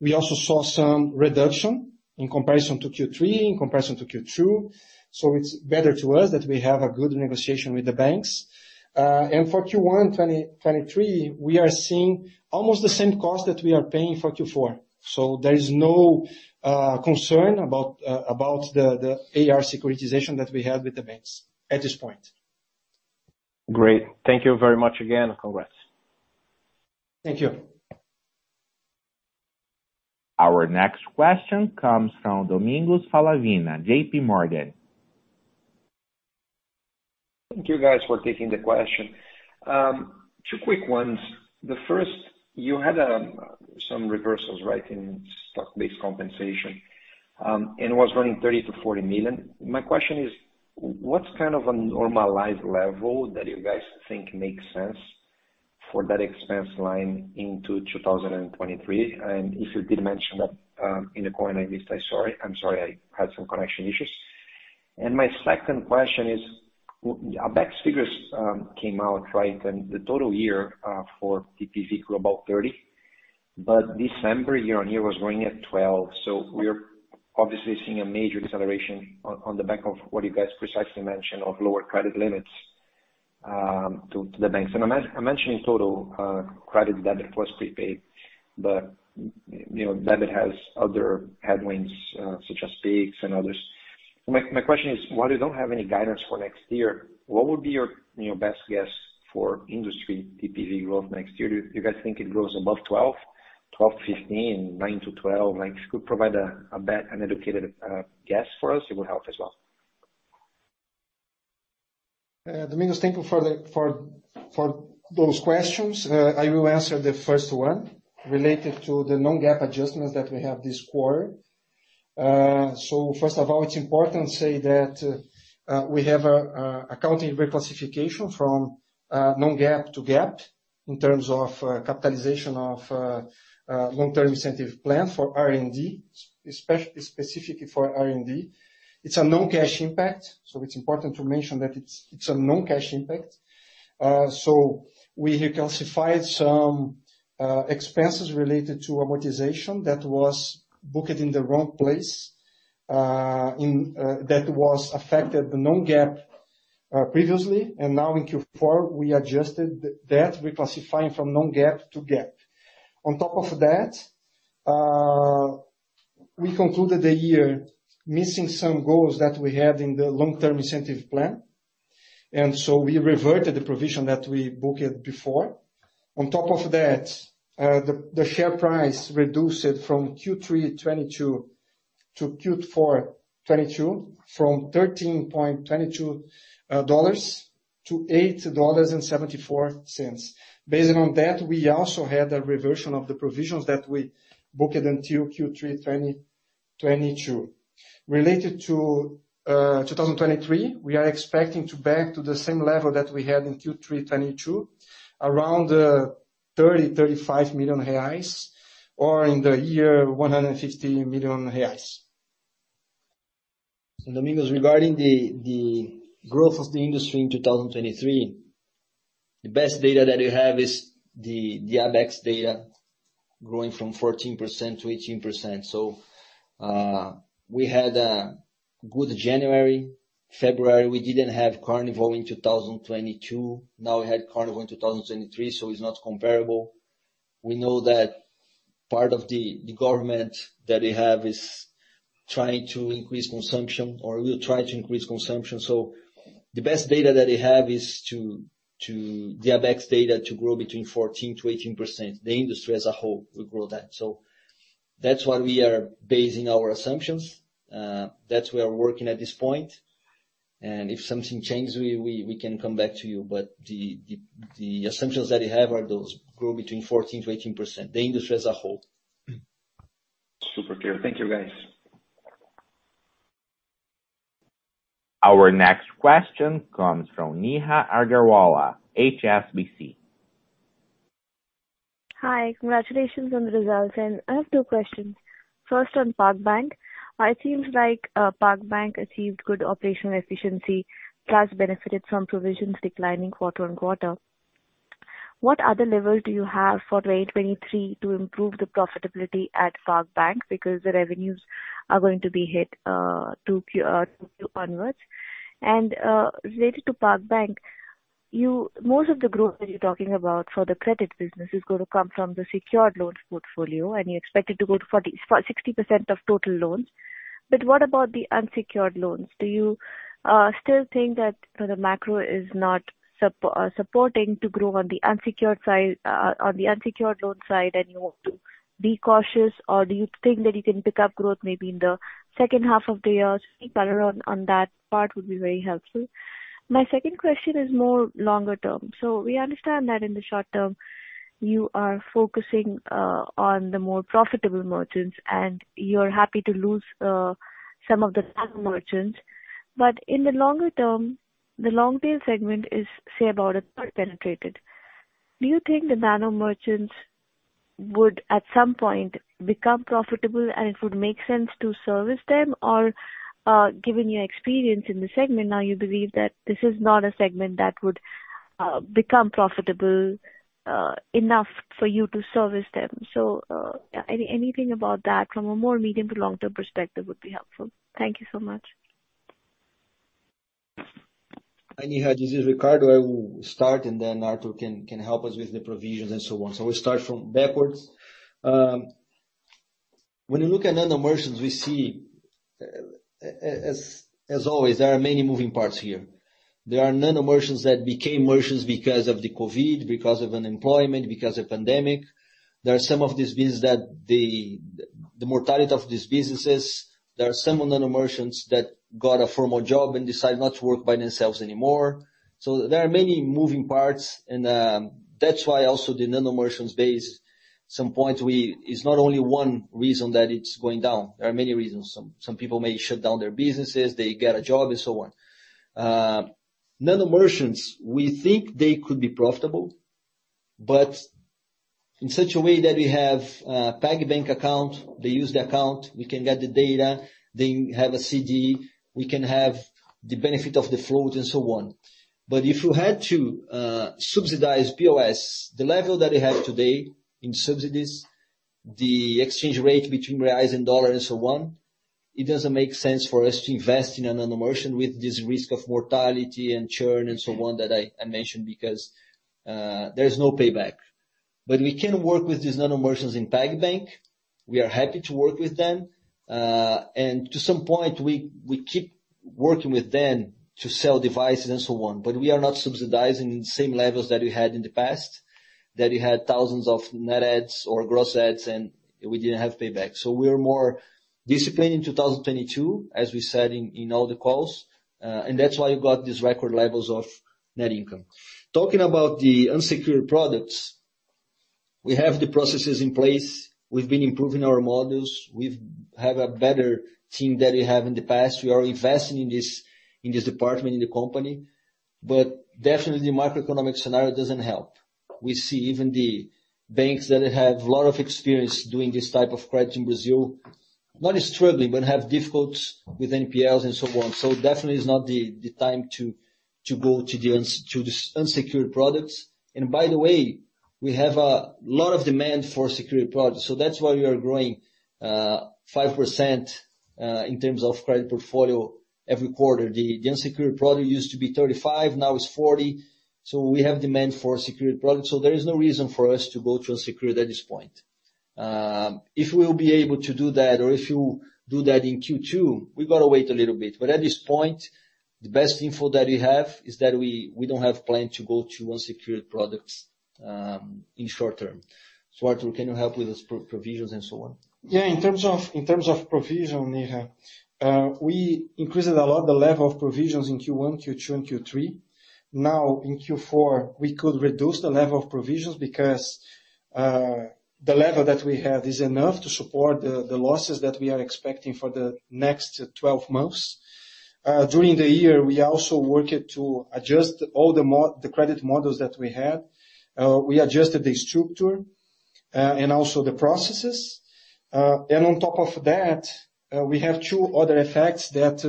[SPEAKER 5] we also saw some reduction in comparison to Q3, in comparison to Q2. It's better to us that we have a good negotiation with the banks. For Q1 2023, we are seeing almost the same cost that we are paying for Q4. There is no concern about the AR securitization that we have with the banks at this point.
[SPEAKER 9] Great. Thank you very much again, and congrats.
[SPEAKER 5] Thank you.
[SPEAKER 1] Our next question comes from Domingos Falavina, J.P. Morgan.
[SPEAKER 10] Thank you guys for taking the question. Two quick ones. The first, you had some reversals, right, in stock-based compensation, and was running 30 million-40 million. My question is what's kind of a normalized level that you guys think makes sense for that expense line into 2023? If you did mention that in the call and I missed, I'm sorry I had some connection issues. My second question is, Abecs figures came out right, and the total year for TP grew about 30%, but December year-on-year was growing at 12%. We're obviously seeing a major deceleration on the back of what you guys precisely mentioned of lower credit limits to the banks. I mentioned in total, credit debit was prepaid, but, you know, debit has other headwinds, such as Pix and others. My question is, while you don't have any guidance for next year, what would be your, you know, best guess for industry TPV growth next year? Do you guys think it grows above 12%? 12%-15%? 9%-12%? Like, if you could provide an educated guess for us, it would help as well.
[SPEAKER 5] Domingos thank you for those questions. I will answer the first one related to the non-GAAP adjustments that we have this quarter. First of all, it's important say that we have a accounting reclassification from non-GAAP to GAAP in terms of capitalization of long-term incentive plan for R&D, specifically for R&D. It's a non-cash impact, so it's important to mention that it's a non-cash impact. We reclassified some expenses related to amortization that was booked in the wrong place that was affected the non-GAAP previously. Now in Q4 we adjusted that reclassifying from non-GAAP to GAAP. On top of that, we concluded the year missing some goals that we had in the long-term incentive plan. We reverted the provision that we booked before. On top of that, the share price reduced from Q3 2022-Q4 2022 from $13.22-$8.74. Based on that, we also had a reversion of the provisions that we booked until Q3 2022. Related to 2023, we are expecting to back to the same level that we had in Q3 2022, around 30 million-35 million reais or in the year 150 million reais.
[SPEAKER 3] Domingos, regarding the growth of the industry in 2023, the best data that you have is the Abecs data growing from 14%-18%. We had a Good January, February we didn't have Carnival in 2022. We had Carnival in 2023, so it's not comparable. We know that part of the government that we have is trying to increase consumption, or will try to increase consumption. The best data that they have is The Abecs data to grow between 14%-18%. The industry as a whole will grow that. That's why we are basing our assumptions that we are working at this point, and if something changes, we can come back to you. The assumptions that we have are those, grow between 14%-18%, the industry as a whole.
[SPEAKER 10] Super clear. Thank you, guys.
[SPEAKER 1] Our next question comes from Neha Agarwala, HSBC.
[SPEAKER 11] Hi. Congratulations on the results. I have two questions. First, on PagBank. It seems like PagBank achieved good operational efficiency, plus benefited from provisions declining quarter-on-quarter. What other level do you have for 2023 to improve the profitability at PagBank? Because the revenues are going to be hit 2Q onwards. Related to PagBank, Most of the growth that you're talking about for the credit business is gonna come from the secured loans portfolio, and you expect it to go to 40, 60% of total loans. What about the unsecured loans? Do you still think that the macro is not supporting to grow on the unsecured side, on the unsecured loan side, and you want to be cautious, or do you think that you can pick up growth maybe in the second half of the year? Some color on that part would be very helpful. My second question is more longer-term. We understand that in the short term you are focusing on the more profitable merchants, and you're happy to lose some of the merchants. In the longer term, the long tail segment is, say, about third penetrated. Do you think the nano merchants would at some point become profitable and it would make sense to service them? Given your experience in the segment now, you believe that this is not a segment that would become profitable enough for you to service them. Anything about that from a more medium to long-term perspective would be helpful. Thank you so much.
[SPEAKER 3] Hi Neha this is Ricardo. I will start and then Artur can help us with the provisions and so on. We start from backwards. When you look at nano merchants, we see, as always, there are many moving parts here. There are nano merchants that became merchants because of the COVID, because of unemployment, because of pandemic. There are some of these business that the mortality of these businesses, there are some of nano merchants that got a formal job and decide not to work by themselves anymore. There are many moving parts and, that's why also the nano merchants base, some point It's not only one reason that it's going down. There are many reasons. Some people may shut down their businesses, they get a job and so on. Nano merchants, we think they could be profitable, but in such a way that we have a PagBank account. They use the account, we can get the data, they have a CD, we can have the benefit of the float and so on. If you had to subsidize POS, the level that we have today in subsidies, the exchange rate between reais and dollar and so on, it doesn't make sense for us to invest in a nano merchant with this risk of mortality and churn and so on that I mentioned, because there is no payback. We can work with these nano merchants in PagBank. We are happy to work with them. To some point we keep working with them to sell devices and so on, but we are not subsidizing in the same levels that we had in the past, that we had thousands of net adds or gross adds and we didn't have payback. We are more disciplined in 2022, as we said in all the calls, and that's why you got these record levels of net income. Talking about the unsecured products, we have the processes in place. We've been improving our models. We've have a better team that we have in the past. We are investing in this department, in the company, but definitely macroeconomic scenario doesn't help. We see even the banks that have a lot of experience doing this type of credit in Brazil, not struggling, but have difficulties with NPLs and so on. Definitely is not the time to go to these unsecured products. By the way, we have a lot of demand for secured products. That's why we are growing 5% in terms of credit portfolio every quarter. The unsecured product used to be 35, now it's 40. We have demand for secured products. There is no reason for us to go to unsecured at this point. If we'll be able to do that or if you do that in Q2, we've got to wait a little bit. At this point, the best info that we have is that we don't have plan to go to unsecured products in short term. Artur, can you help with those provisions and so on?
[SPEAKER 5] Yeah. In terms of provision, Neha, we increased a lot the level of provisions in Q1, Q2 and Q3. In Q4, we could reduce the level of provisions because the level that we have is enough to support the losses that we are expecting for the next 12 months. During the year, we also worked to adjust all the credit models that we had. We adjusted the structure and also the processes. On top of that, we have two other effects that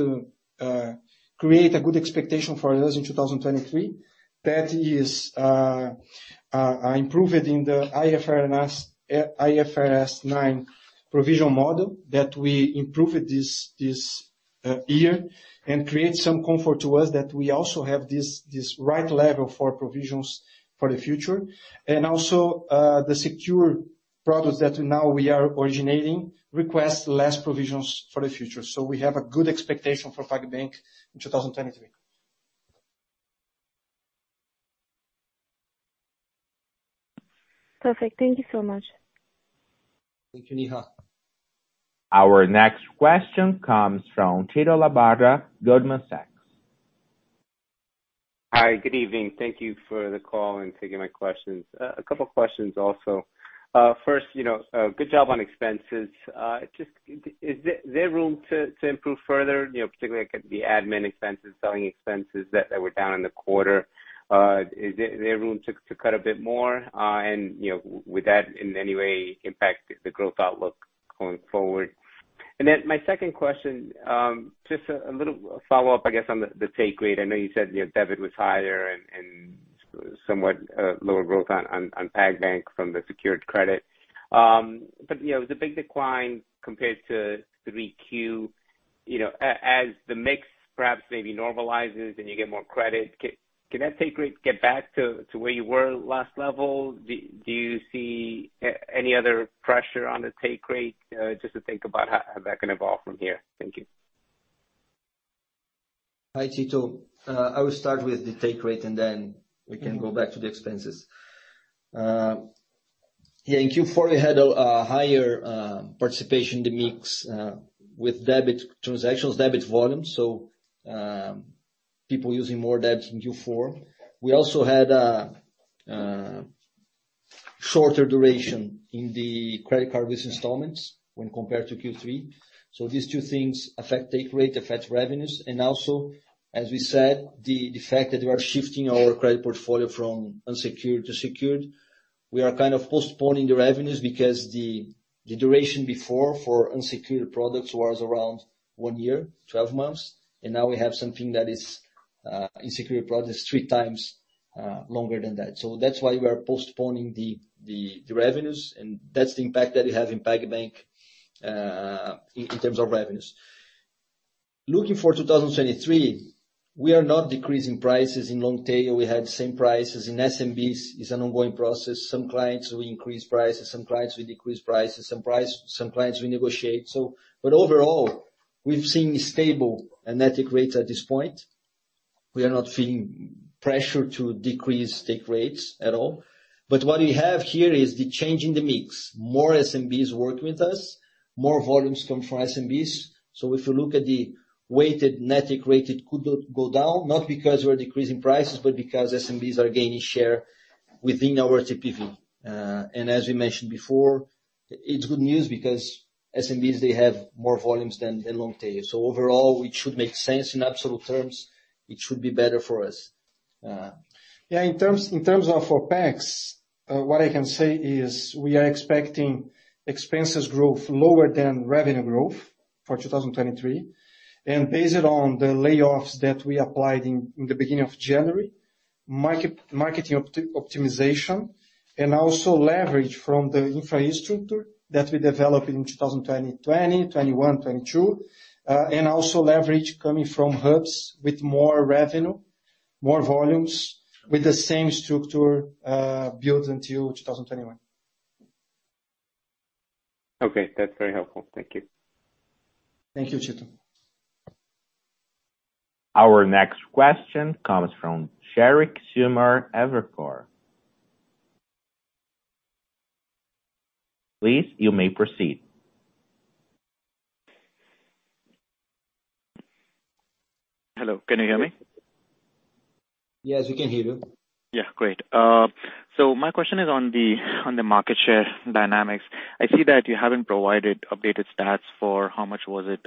[SPEAKER 5] create a good expectation for us in 2023. That is improving the IFRS 9 provision model that we improved this. year, create some comfort to us that we also have this right level for provisions for the future. Also, the secure products that now we are originating request less provisions for the future. We have a good expectation for PagBank in 2023.
[SPEAKER 11] Perfect. Thank you so much.
[SPEAKER 3] Thank you Neha.
[SPEAKER 1] Our next question comes from Tito Labarta, Goldman Sachs.
[SPEAKER 12] Hi, good evening. Thank you for the call and taking my questions. A couple questions also. First, you know, good job on expenses. Just is there room to improve further? You know, particularly like at the admin expenses, selling expenses that were down in the quarter. Is there room to cut a bit more? You know, would that in any way impact the growth outlook going forward? My second question, just a little follow-up, I guess, on the take rate. I know you said, you know, debit was higher and somewhat lower growth on PagBank from the secured credit. You know, the big decline compared to 3Q, you know, as the mix perhaps maybe normalizes and you get more credit, can that take rate get back to where you were last level? Do you see any other pressure on the take rate just to think about how that can evolve from here? Thank you.
[SPEAKER 3] Hi Tito I will start with the take rate and then we can go back to the expenses. In Q4 we had a higher participation in the mix with debit transactions, debit volume. People using more debt in Q4. We also had a shorter duration in the credit card with installments when compared to Q3. As we said, the fact that we are shifting our credit portfolio from unsecured to secured, we are kind of postponing the revenues because the duration before for unsecured products was around one year, 12 months, and now we have something that is in secured products 3x longer than that. That's why we are postponing the revenues and that's the impact that we have in PagBank in terms of revenues. Looking for 2023, we are not decreasing prices. In long tail we have the same prices. In SMBs it's an ongoing process. Some clients we increase prices, some clients we decrease prices, Some clients we negotiate. Overall, we've seen stable net take rates at this point. We are not feeling pressure to decrease take rates at all. What we have here is the change in the mix. More SMBs work with us. More volumes come from SMBs. If you look at the weighted net take rate, it could go down, not because we're decreasing prices, but because SMBs are gaining share within our TPV. As we mentioned before, it's good news because SMBs, they have more volumes than long tail. Overall, it should make sense. In absolute terms, it should be better for us.
[SPEAKER 5] Yeah, in terms of OPEX, what I can say is we are expecting expenses growth lower than revenue growth for 2023. Based on the layoffs that we applied in the beginning of January, marketing optimization, and also leverage from the infrastructure that we developed in 2020, 2021, 2022. Also leverage coming from HUBs with more revenue, more volumes, with the same structure built until 2021.
[SPEAKER 12] Okay that's very helpful thank you.
[SPEAKER 3] Thank you Tito.
[SPEAKER 1] Our next question comes from Sheriq Sumar, Evercore. Please, you may proceed.
[SPEAKER 13] Hello, can you hear me?
[SPEAKER 3] Yes, we can hear you.
[SPEAKER 13] Yeah. Great. My question is on the market share dynamics. I see that you haven't provided updated stats for how much was it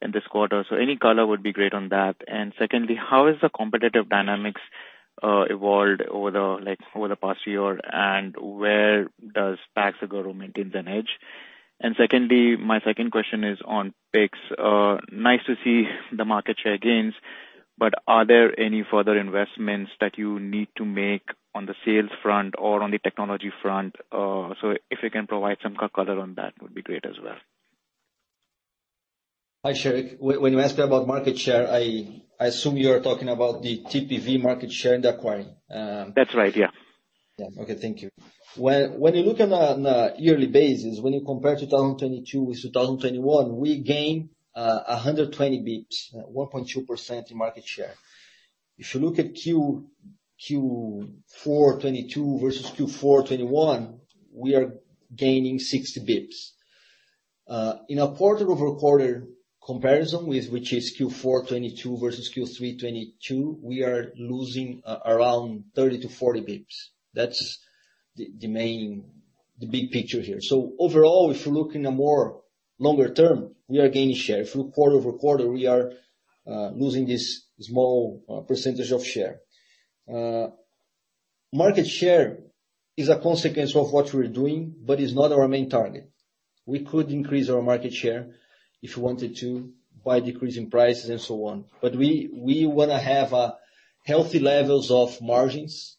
[SPEAKER 13] in this quarter. Any color would be great on that. Secondly, how has the competitive dynamics evolved over the past year, and where does PAGS go to maintain an edge? Secondly, my second question is on Pix. Nice to see the market share gains, are there any further investments that you need to make on the sales front or on the technology front? If you can provide some color on that would be great as well.
[SPEAKER 3] Hi Sheriq. When you ask about market share, I assume you are talking about the TPV market share in the acquiring.
[SPEAKER 13] That's right. Yeah.
[SPEAKER 3] Yeah. Okay. Thank you. When you look at it on a yearly basis, when you compare 2022 with 2021, we gain 120 BPS, 1.2% in market share. If you look at Q4 2022 versus Q4 2021, we are gaining 60 BPS. In a quarter-over-quarter comparison with which is Q4 2022 versus Q3 2022, we are losing around 30 BPS-40 BPS. That's the main. The big picture here. Overall, if you look in a more longer term, we are gaining share. If you look quarter-over-quarter, we are losing this small percentage of share. Market share is a consequence of what we're doing, but it's not our main target. We wanna have a healthy levels of margins.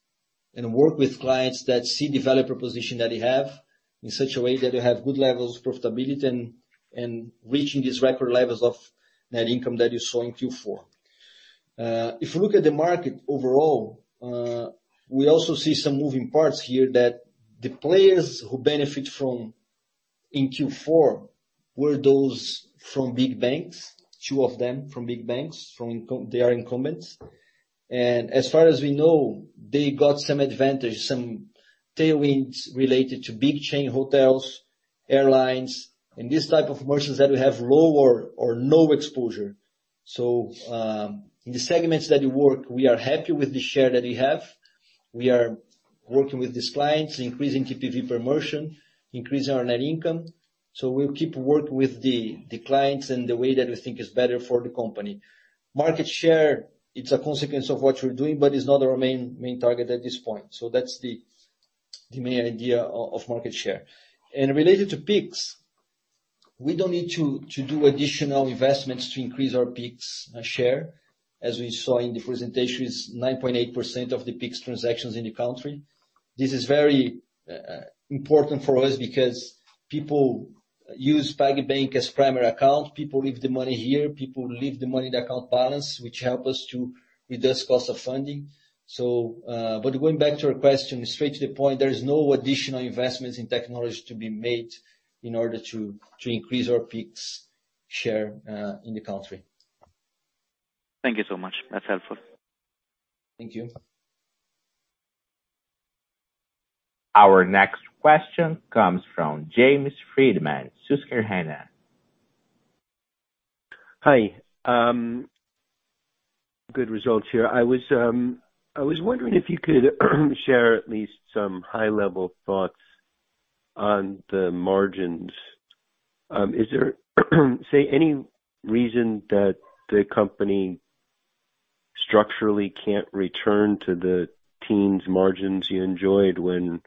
[SPEAKER 3] Work with clients that see the value proposition that they have in such a way that they have good levels of profitability and reaching these record levels of net income that you saw in Q4. If you look at the market overall, we also see some moving parts here that the players who benefit from in Q4 were those from big banks, two of them from big banks, from incumbent, they are incumbents. As far as we know, they got some advantage, some tailwinds related to big chain hotels, airlines, and these type of merchants that we have lower or no exposure. In the segments that we work, we are happy with the share that we have. We are working with these clients, increasing TPV per merchant, increasing our net income. We'll keep working with the clients in the way that we think is better for the company. Market share, it's a consequence of what we're doing, but it's not our main target at this point. That's the main idea of market share. Related to Pix, we don't need to do additional investments to increase our Pix share. As we saw in the presentation, it's 9.8% of the Pix transactions in the country. This is very important for us because people use PagBank as primary account. People leave the money here, people leave the money in the account balance, which help us to reduce cost of funding. Going back to your question, straight to the point, there is no additional investments in technology to be made in order to increase our Pix share in the country.
[SPEAKER 14] Thank you so much. That's helpful.
[SPEAKER 3] Thank you.
[SPEAKER 1] Our next question comes from James Friedman, Susquehanna.
[SPEAKER 14] Hi. Good results here. I was wondering if you could share at least some high-level thoughts on the margins. Is there, say, any reason that the company structurally can't return to the teens margins you enjoyed when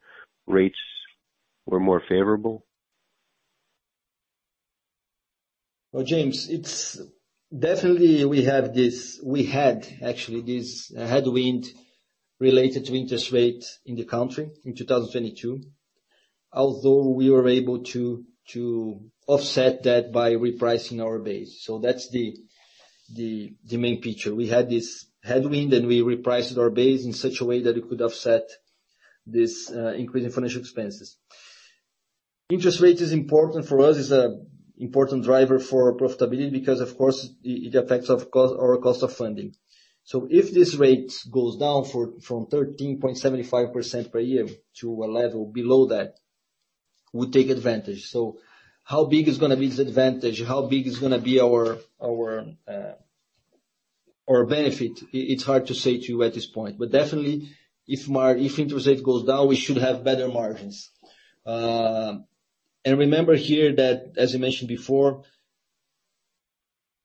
[SPEAKER 14] rates were more favorable?
[SPEAKER 3] Well James it's definitely we had actually this headwind related to interest rates in the country in 2022, although we were able to offset that by repricing our base. That's the main feature. We had this headwind, and we repriced our base in such a way that it could offset this increase in financial expenses. Interest rate is important for us. It's a important driver for profitability because of course it affects our cost of funding. If this rate goes down from 13.75% per year to a level below that, we'll take advantage. How big is gonna be this advantage? How big is gonna be our benefit? It's hard to say to you at this point. Definitely if interest rate goes down, we should have better margins. Remember here that, as you mentioned before,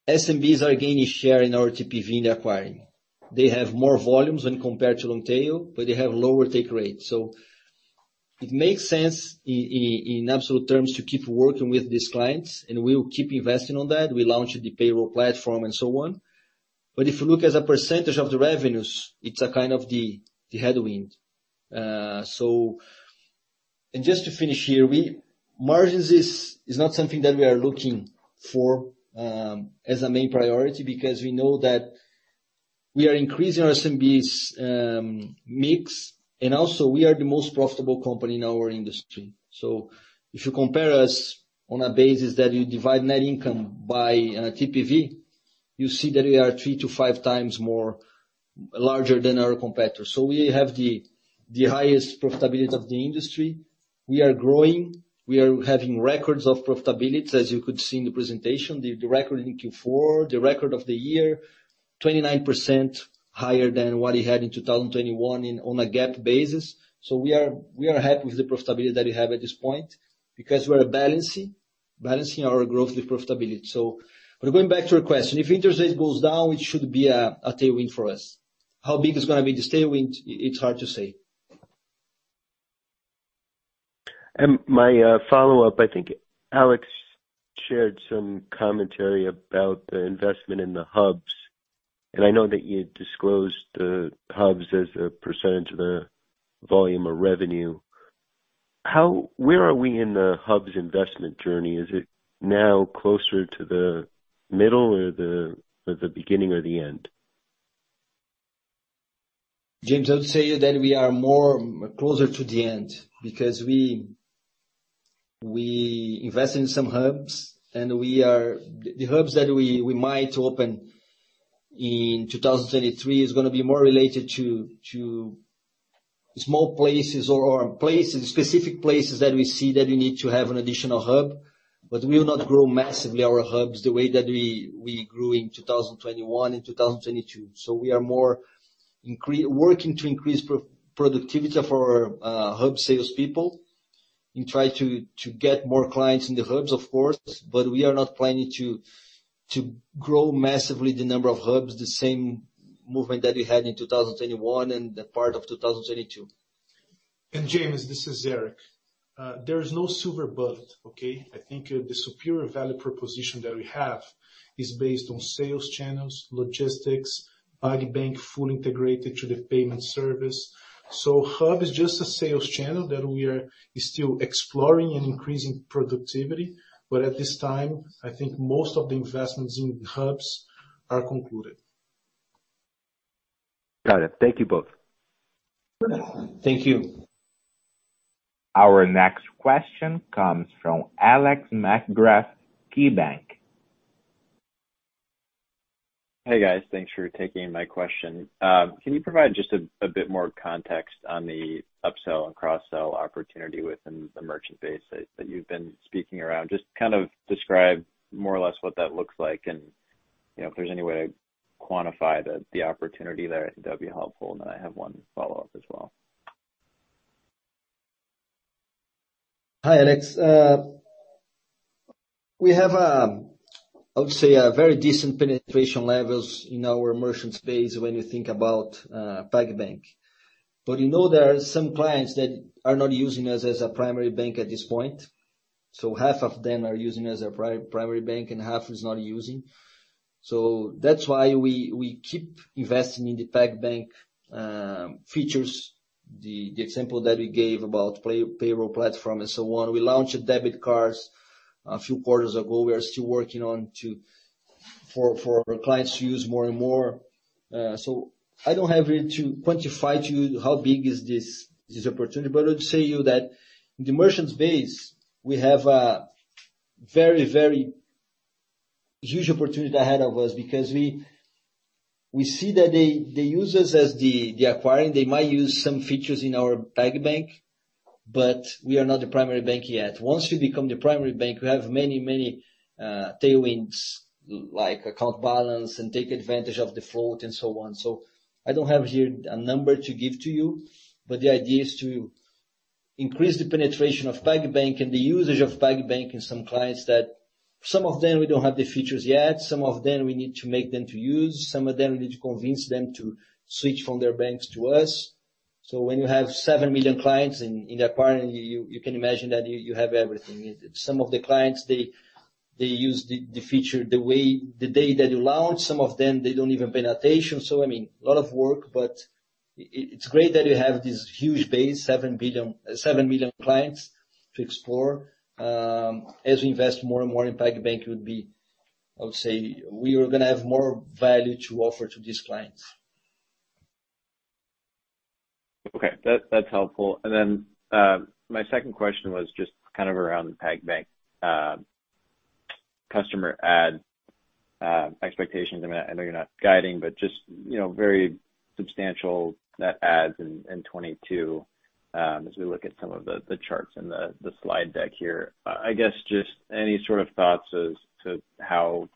[SPEAKER 3] SMBs are gaining share in our TPV and acquiring. They have more volumes when compared to long tail, but they have lower take rates. It makes sense in absolute terms to keep working with these clients and we will keep investing on that. We launched the payroll platform and so on. If you look as a percentage of the revenues, it's a kind of the headwind. Just to finish here, margins is not something that we are looking for as a main priority because we know that we are increasing our SMB's mix, and also we are the most profitable company in our industry. If you compare us on a basis that you divide net income by TPV, you see that we are 3x-5x more larger than our competitors. We have the highest profitability of the industry. We are growing. We are having records of profitability, as you could see in the presentation. The record in Q4, the record of the year, 29% higher than what we had in 2021 in, on a GAAP basis. We are happy with the profitability that we have at this point because we are balancing our growth with profitability. Going back to your question, if interest rate goes down, it should be a tailwind for us. How big it's gonna be this tailwind, it's hard to say.
[SPEAKER 14] My follow-up, I think Alex shared some commentary about the investment in the HUBs, and I know that you disclosed the HUBs as a percent of the volume or revenue. Where are we in the HUBs investment journey? Is it now closer to the middle or the beginning or the end?
[SPEAKER 3] James Friedman, I would say that we are more closer to the end because we invest in some HUBs and the HUBs that we might open in 2023 is going to be more related to small places or places, specific places that we see that we need to have an additional HUB. We will not grow massively our HUBs the way that we grew in 2021 and 2022. We are more working to increase pro-productivity for our HUB salespeople and try to get more clients in the HUBs, of course, but we are not planning to grow massively the number of HUBs, the same movement that we had in 2021 and the part of 2022.
[SPEAKER 2] James Friedman, this is Éric. There is no silver bullet, okay? I think the superior value proposition that we have is based on sales channels, logistics, PagBank fully integrated to the payment service. HUB is just a sales channel that we are still exploring and increasing productivity. At this time, I think most of the investments in HUBs are concluded.
[SPEAKER 14] Got it. Thank you both.
[SPEAKER 3] Thank you.
[SPEAKER 1] Our next question comes from Alex Markgraff, KeyBanc Capital Markets.
[SPEAKER 15] Hey, guys. Thanks for taking my question. Can you provide just a bit more context on the upsell and cross-sell opportunity within the merchant base that you've been speaking around? Just kind of describe more or less what that looks like and, you know, if there's any way to quantify the opportunity there, I think that'd be helpful. Then I have one follow-up as well.
[SPEAKER 3] Hi Alex we have, I would say, a very decent penetration levels in our merchant space when you think about PagBank. We know there are some clients that are not using us as a primary bank at this point. Half of them are using us as a primary bank and half is not using. That's why we keep investing in the PagBank features. The example that we gave about payroll platform and so on. We launched debit cards a few quarters ago. We are still working on for our clients to use more and more. I don't have it to quantify to you how big is this opportunity. I would say to you that the merchants base, we have a very, very huge opportunity ahead of us because we see that they use us as the acquiring. They might use some features in our PagBank, but we are not the primary bank yet. Once you become the primary bank, we have many, many tailwinds, like account balance and take advantage of the float and so on. I don't have here a number to give to you, but the idea is to increase the penetration of PagBank and the usage of PagBank in some clients that some of them we don't have the features yet, some of them we need to make them to use, some of them we need to convince them to switch from their banks to us. When you have 7 million clients in acquiring, you can imagine that you have everything. Some of the clients, they use the feature the day that you launch. Some of them, they don't even pay attention. I mean, a lot of work, but it's great that you have this huge base, 7 million clients to explore. As we invest more and more in PagBank, it would be, I would say we are gonna have more value to offer to these clients.
[SPEAKER 15] Okay. That's helpful. My second question was just kind of around PagBank customer add expectations. I mean, I know you're not guiding, but just, you know, very substantial net adds in 22 as we look at some of the charts in the slide deck here. I guess just any sort of thoughts as to how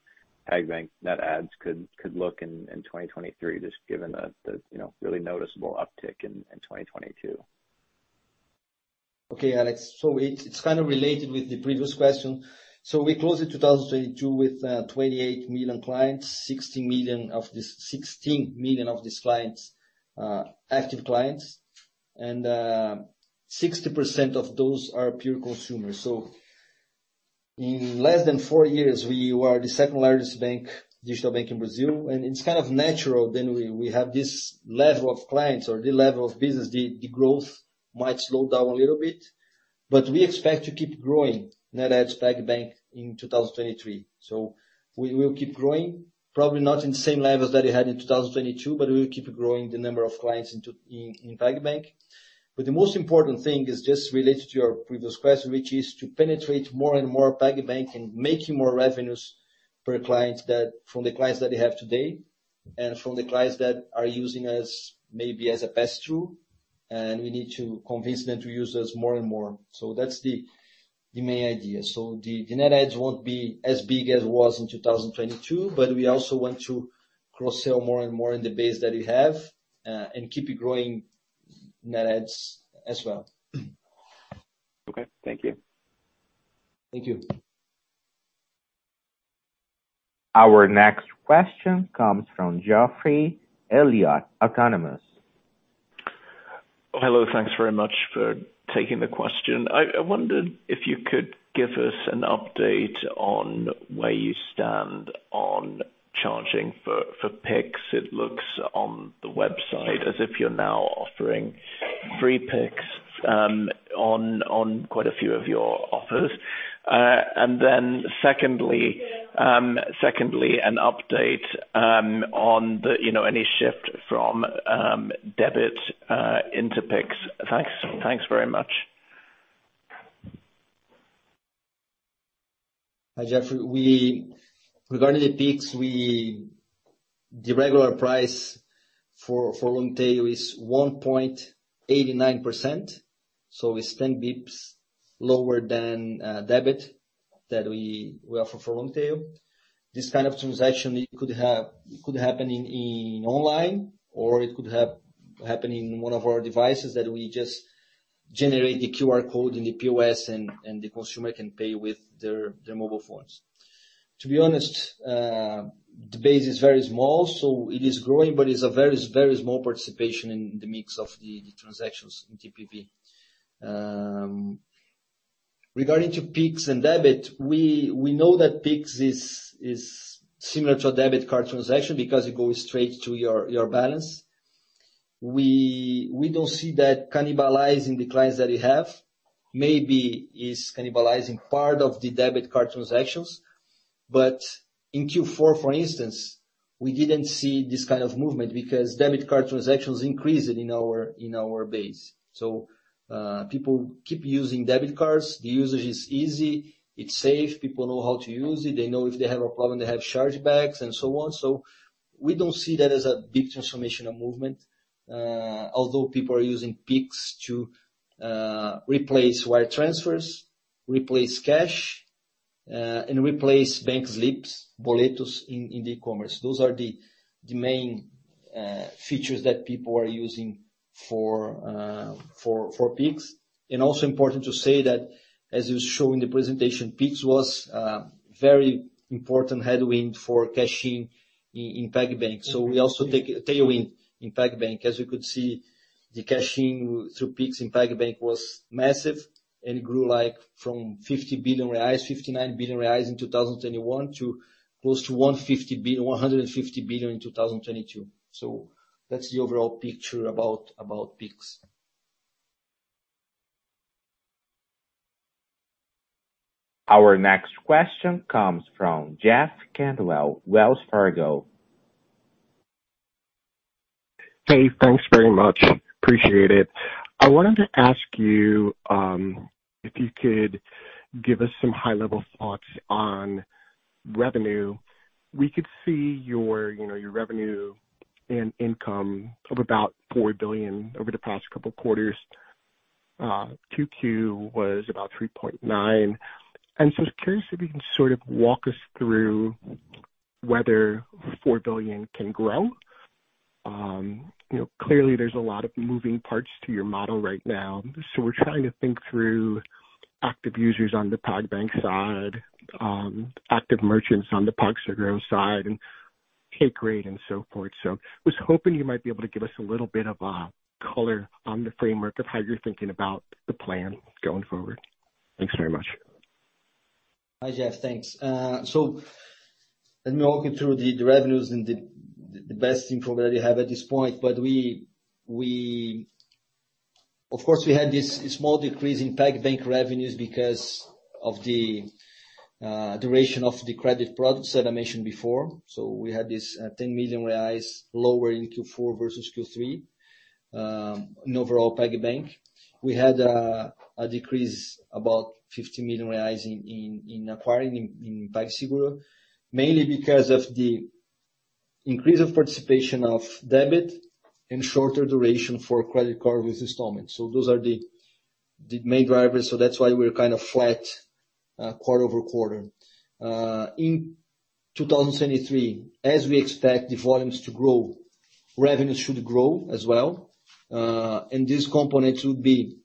[SPEAKER 15] PagBank net adds could look in 2023, just given the, you know, really noticeable uptick in 2022.
[SPEAKER 3] Okay Alex. It's kind of related with the previous question. We closed in 2022 with 28 million clients. 16 million of these clients are active clients. 60% of those are pure consumers. In less than four years, we are the second largest bank, digital bank in Brazil. It's kind of natural then we have this level of clients or this level of business, the growth might slow down a little bit. We expect to keep growing net adds PagBank in 2023. We will keep growing, probably not in the same levels that we had in 2022, but we will keep growing the number of clients in PagBank. The most important thing is just related to your previous question, which is to penetrate more and more PagBank and making more revenues per client from the clients that we have today and from the clients that are using us maybe as a pass-through, and we need to convince them to use us more and more. That's the main idea. The net adds won't be as big as it was in 2022, but we also want to cross-sell more and more in the base that we have and keep it growing net adds as well.
[SPEAKER 15] Okay. Thank you.
[SPEAKER 3] Thank you.
[SPEAKER 1] Our next question comes from Geoffrey Elliott, Autonomous.
[SPEAKER 16] Hello. Thanks very much for taking the question. I wondered if you could give us an update on where you stand on charging for Pix. It looks on the website as if you're now offering free Pix on quite a few of your offers. Secondly, an update on the, you know, any shift from debit into Pix. Thanks very much.
[SPEAKER 3] Hi Geoffrey. Regarding Pix, the regular price for long tail is 1.89%. It's 10 BPS lower than debit that we offer for long tail. This kind of transaction could happen in online or it could happen in one of our devices that we just generate the QR code in the POS and the consumer can pay with their mobile phones. To be honest, the base is very small. It is growing, but it's a very, very small participation in the mix of the transactions in TPV. Regarding Pix and debit, we know that Pix is similar to a debit card transaction because it goes straight to your balance. We don't see that cannibalizing the clients that we have. Maybe it's cannibalizing part of the debit card transactions. In Q4 for instance, we didn't see this kind of movement because debit card transactions increased in our base. People keep using debit cards. The usage is easy, it's safe. People know how to use it. They know if they have a problem, they have chargebacks and so on. We don't see that as a big transformational movement. Although people are using Pix to replace wire transfers, replace cash, and replace bank slips, boletos in e-commerce. Those are the main features that people are using for Pix. Also important to say that as it was shown in the presentation, Pix was very important headwind for cash-in in PagBank. We also take a tailwind in PagBank. As you could see, the cash-in through Pix in PagBank was massive and grew like from 50 billion reais, 59 billion reais in 2021 to close to 150 billion in 2022. That's the overall picture about Pix.
[SPEAKER 1] Our next question comes from Jeff Cantwell, Wells Fargo.
[SPEAKER 17] Hey thanks very much. Appreciate it. I wanted to ask you, if you could give us some high-level thoughts on revenue. We could see your, you know, your revenue and income of about 4 billion over the past couple quarters. Q2 was about 3.9 billion. I'm curious if you can sort of walk us through whether 4 billion can grow. You know, clearly there's a lot of moving parts to your model right now, so we're trying to think through active users on the PagBank side, active merchants on the PagSeguro side and take rate and so forth. I was hoping you might be able to give us a little bit of color on the framework of how you're thinking about the plan going forward. Thanks very much.
[SPEAKER 3] Hi, Jeff. Thanks. Let me walk you through the revenues and the best information that we have at this point. Of course, we had this small decrease in PagBank revenues because of the duration of the credit products that I mentioned before. We had this 10 million reais lower in Q4 versus Q3 in overall PagBank. We had a decrease about 50 million reais in acquiring in PagSeguro, mainly because of the increase of participation of debit and shorter duration for credit card with installments. Those are the main drivers. That's why we're kind of flat quarter-over-quarter. In 2023, as we expect the volumes to grow, revenues should grow as well. These components would be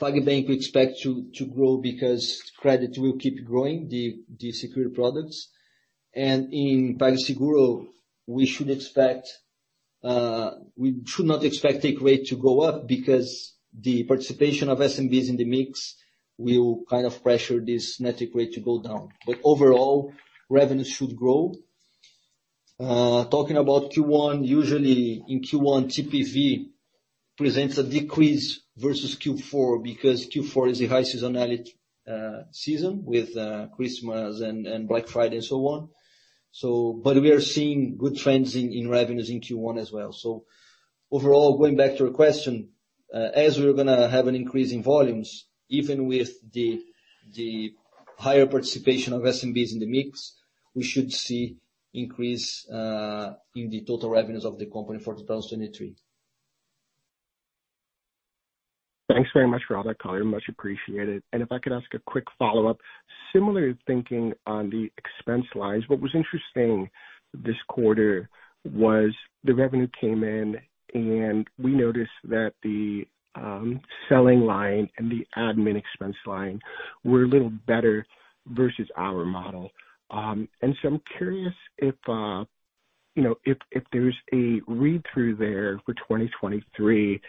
[SPEAKER 3] PagBank we expect to grow because credit will keep growing the secured products. In PagSeguro, we should not expect take rate to go up because the participation of SMBs in the mix will kind of pressure this net take rate to go down. Overall, revenues should grow. Talking about Q1, usually in Q1, TPV presents a decrease versus Q4 because Q4 is a high seasonality season with Christmas and Black Friday and so on. We are seeing good trends in revenues in Q1 as well. Overall, going back to your question, as we're gonna have an increase in volumes, even with the higher participation of SMBs in the mix, we should see increase in the total revenues of the company for 2023.
[SPEAKER 17] Thanks very much for all that color. Much appreciated. If I could ask a quick follow-up. Similar thinking on the expense lines. What was interesting this quarter was the revenue came in, and we noticed that the selling line and the admin expense line were a little better versus our model. I'm curious if, you know, if there's a read-through there for 2023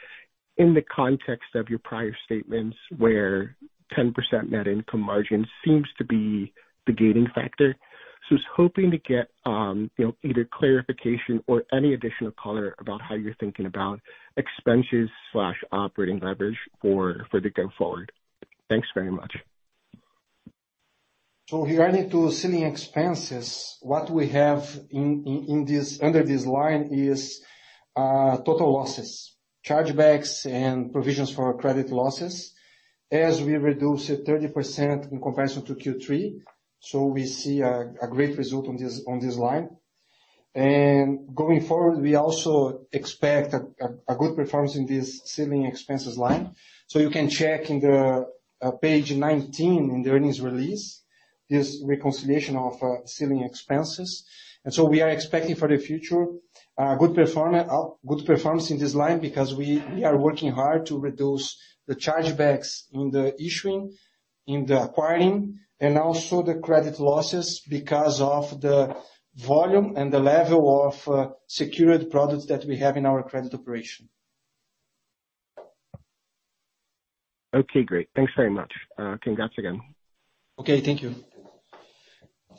[SPEAKER 17] in the context of your prior statements, where 10% net income margin seems to be the gating factor. I was hoping to get, you know, either clarification or any additional color about how you're thinking about expenses slash operating leverage for the go forward. Thanks very much.
[SPEAKER 5] Regarding to selling expenses, what we have under this line is total losses, chargebacks and provisions for credit losses as we reduce it 30% in comparison to Q3. We see a great result on this line. Going forward, we also expect a good performance in this selling expenses line. You can check in the page 19 in the earnings release, this reconciliation of selling expenses. We are expecting for the future good performance in this line because we are working hard to reduce the chargebacks in the issuing, in the acquiring, and also the credit losses because of the volume and the level of secured products that we have in our credit operation.
[SPEAKER 17] Okay great. Thanks very much. Congrats again.
[SPEAKER 3] Okay, thank you.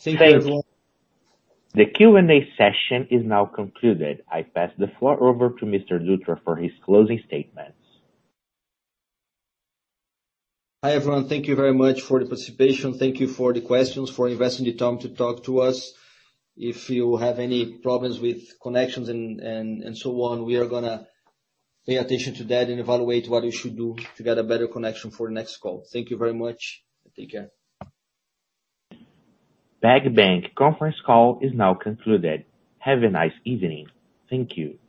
[SPEAKER 1] Thanks. The Q&A session is now concluded. I pass the floor over to Mr. Dutra for his closing statements.
[SPEAKER 3] Hi everyone. Thank you very much for the participation. Thank you for the questions, for investing the time to talk to us. If you have any problems with connections and so on, we are gonna pay attention to that and evaluate what we should do to get a better connection for the next call. Thank you very much and take care.
[SPEAKER 1] PagBank conference call is now concluded. Have a nice evening. Thank you.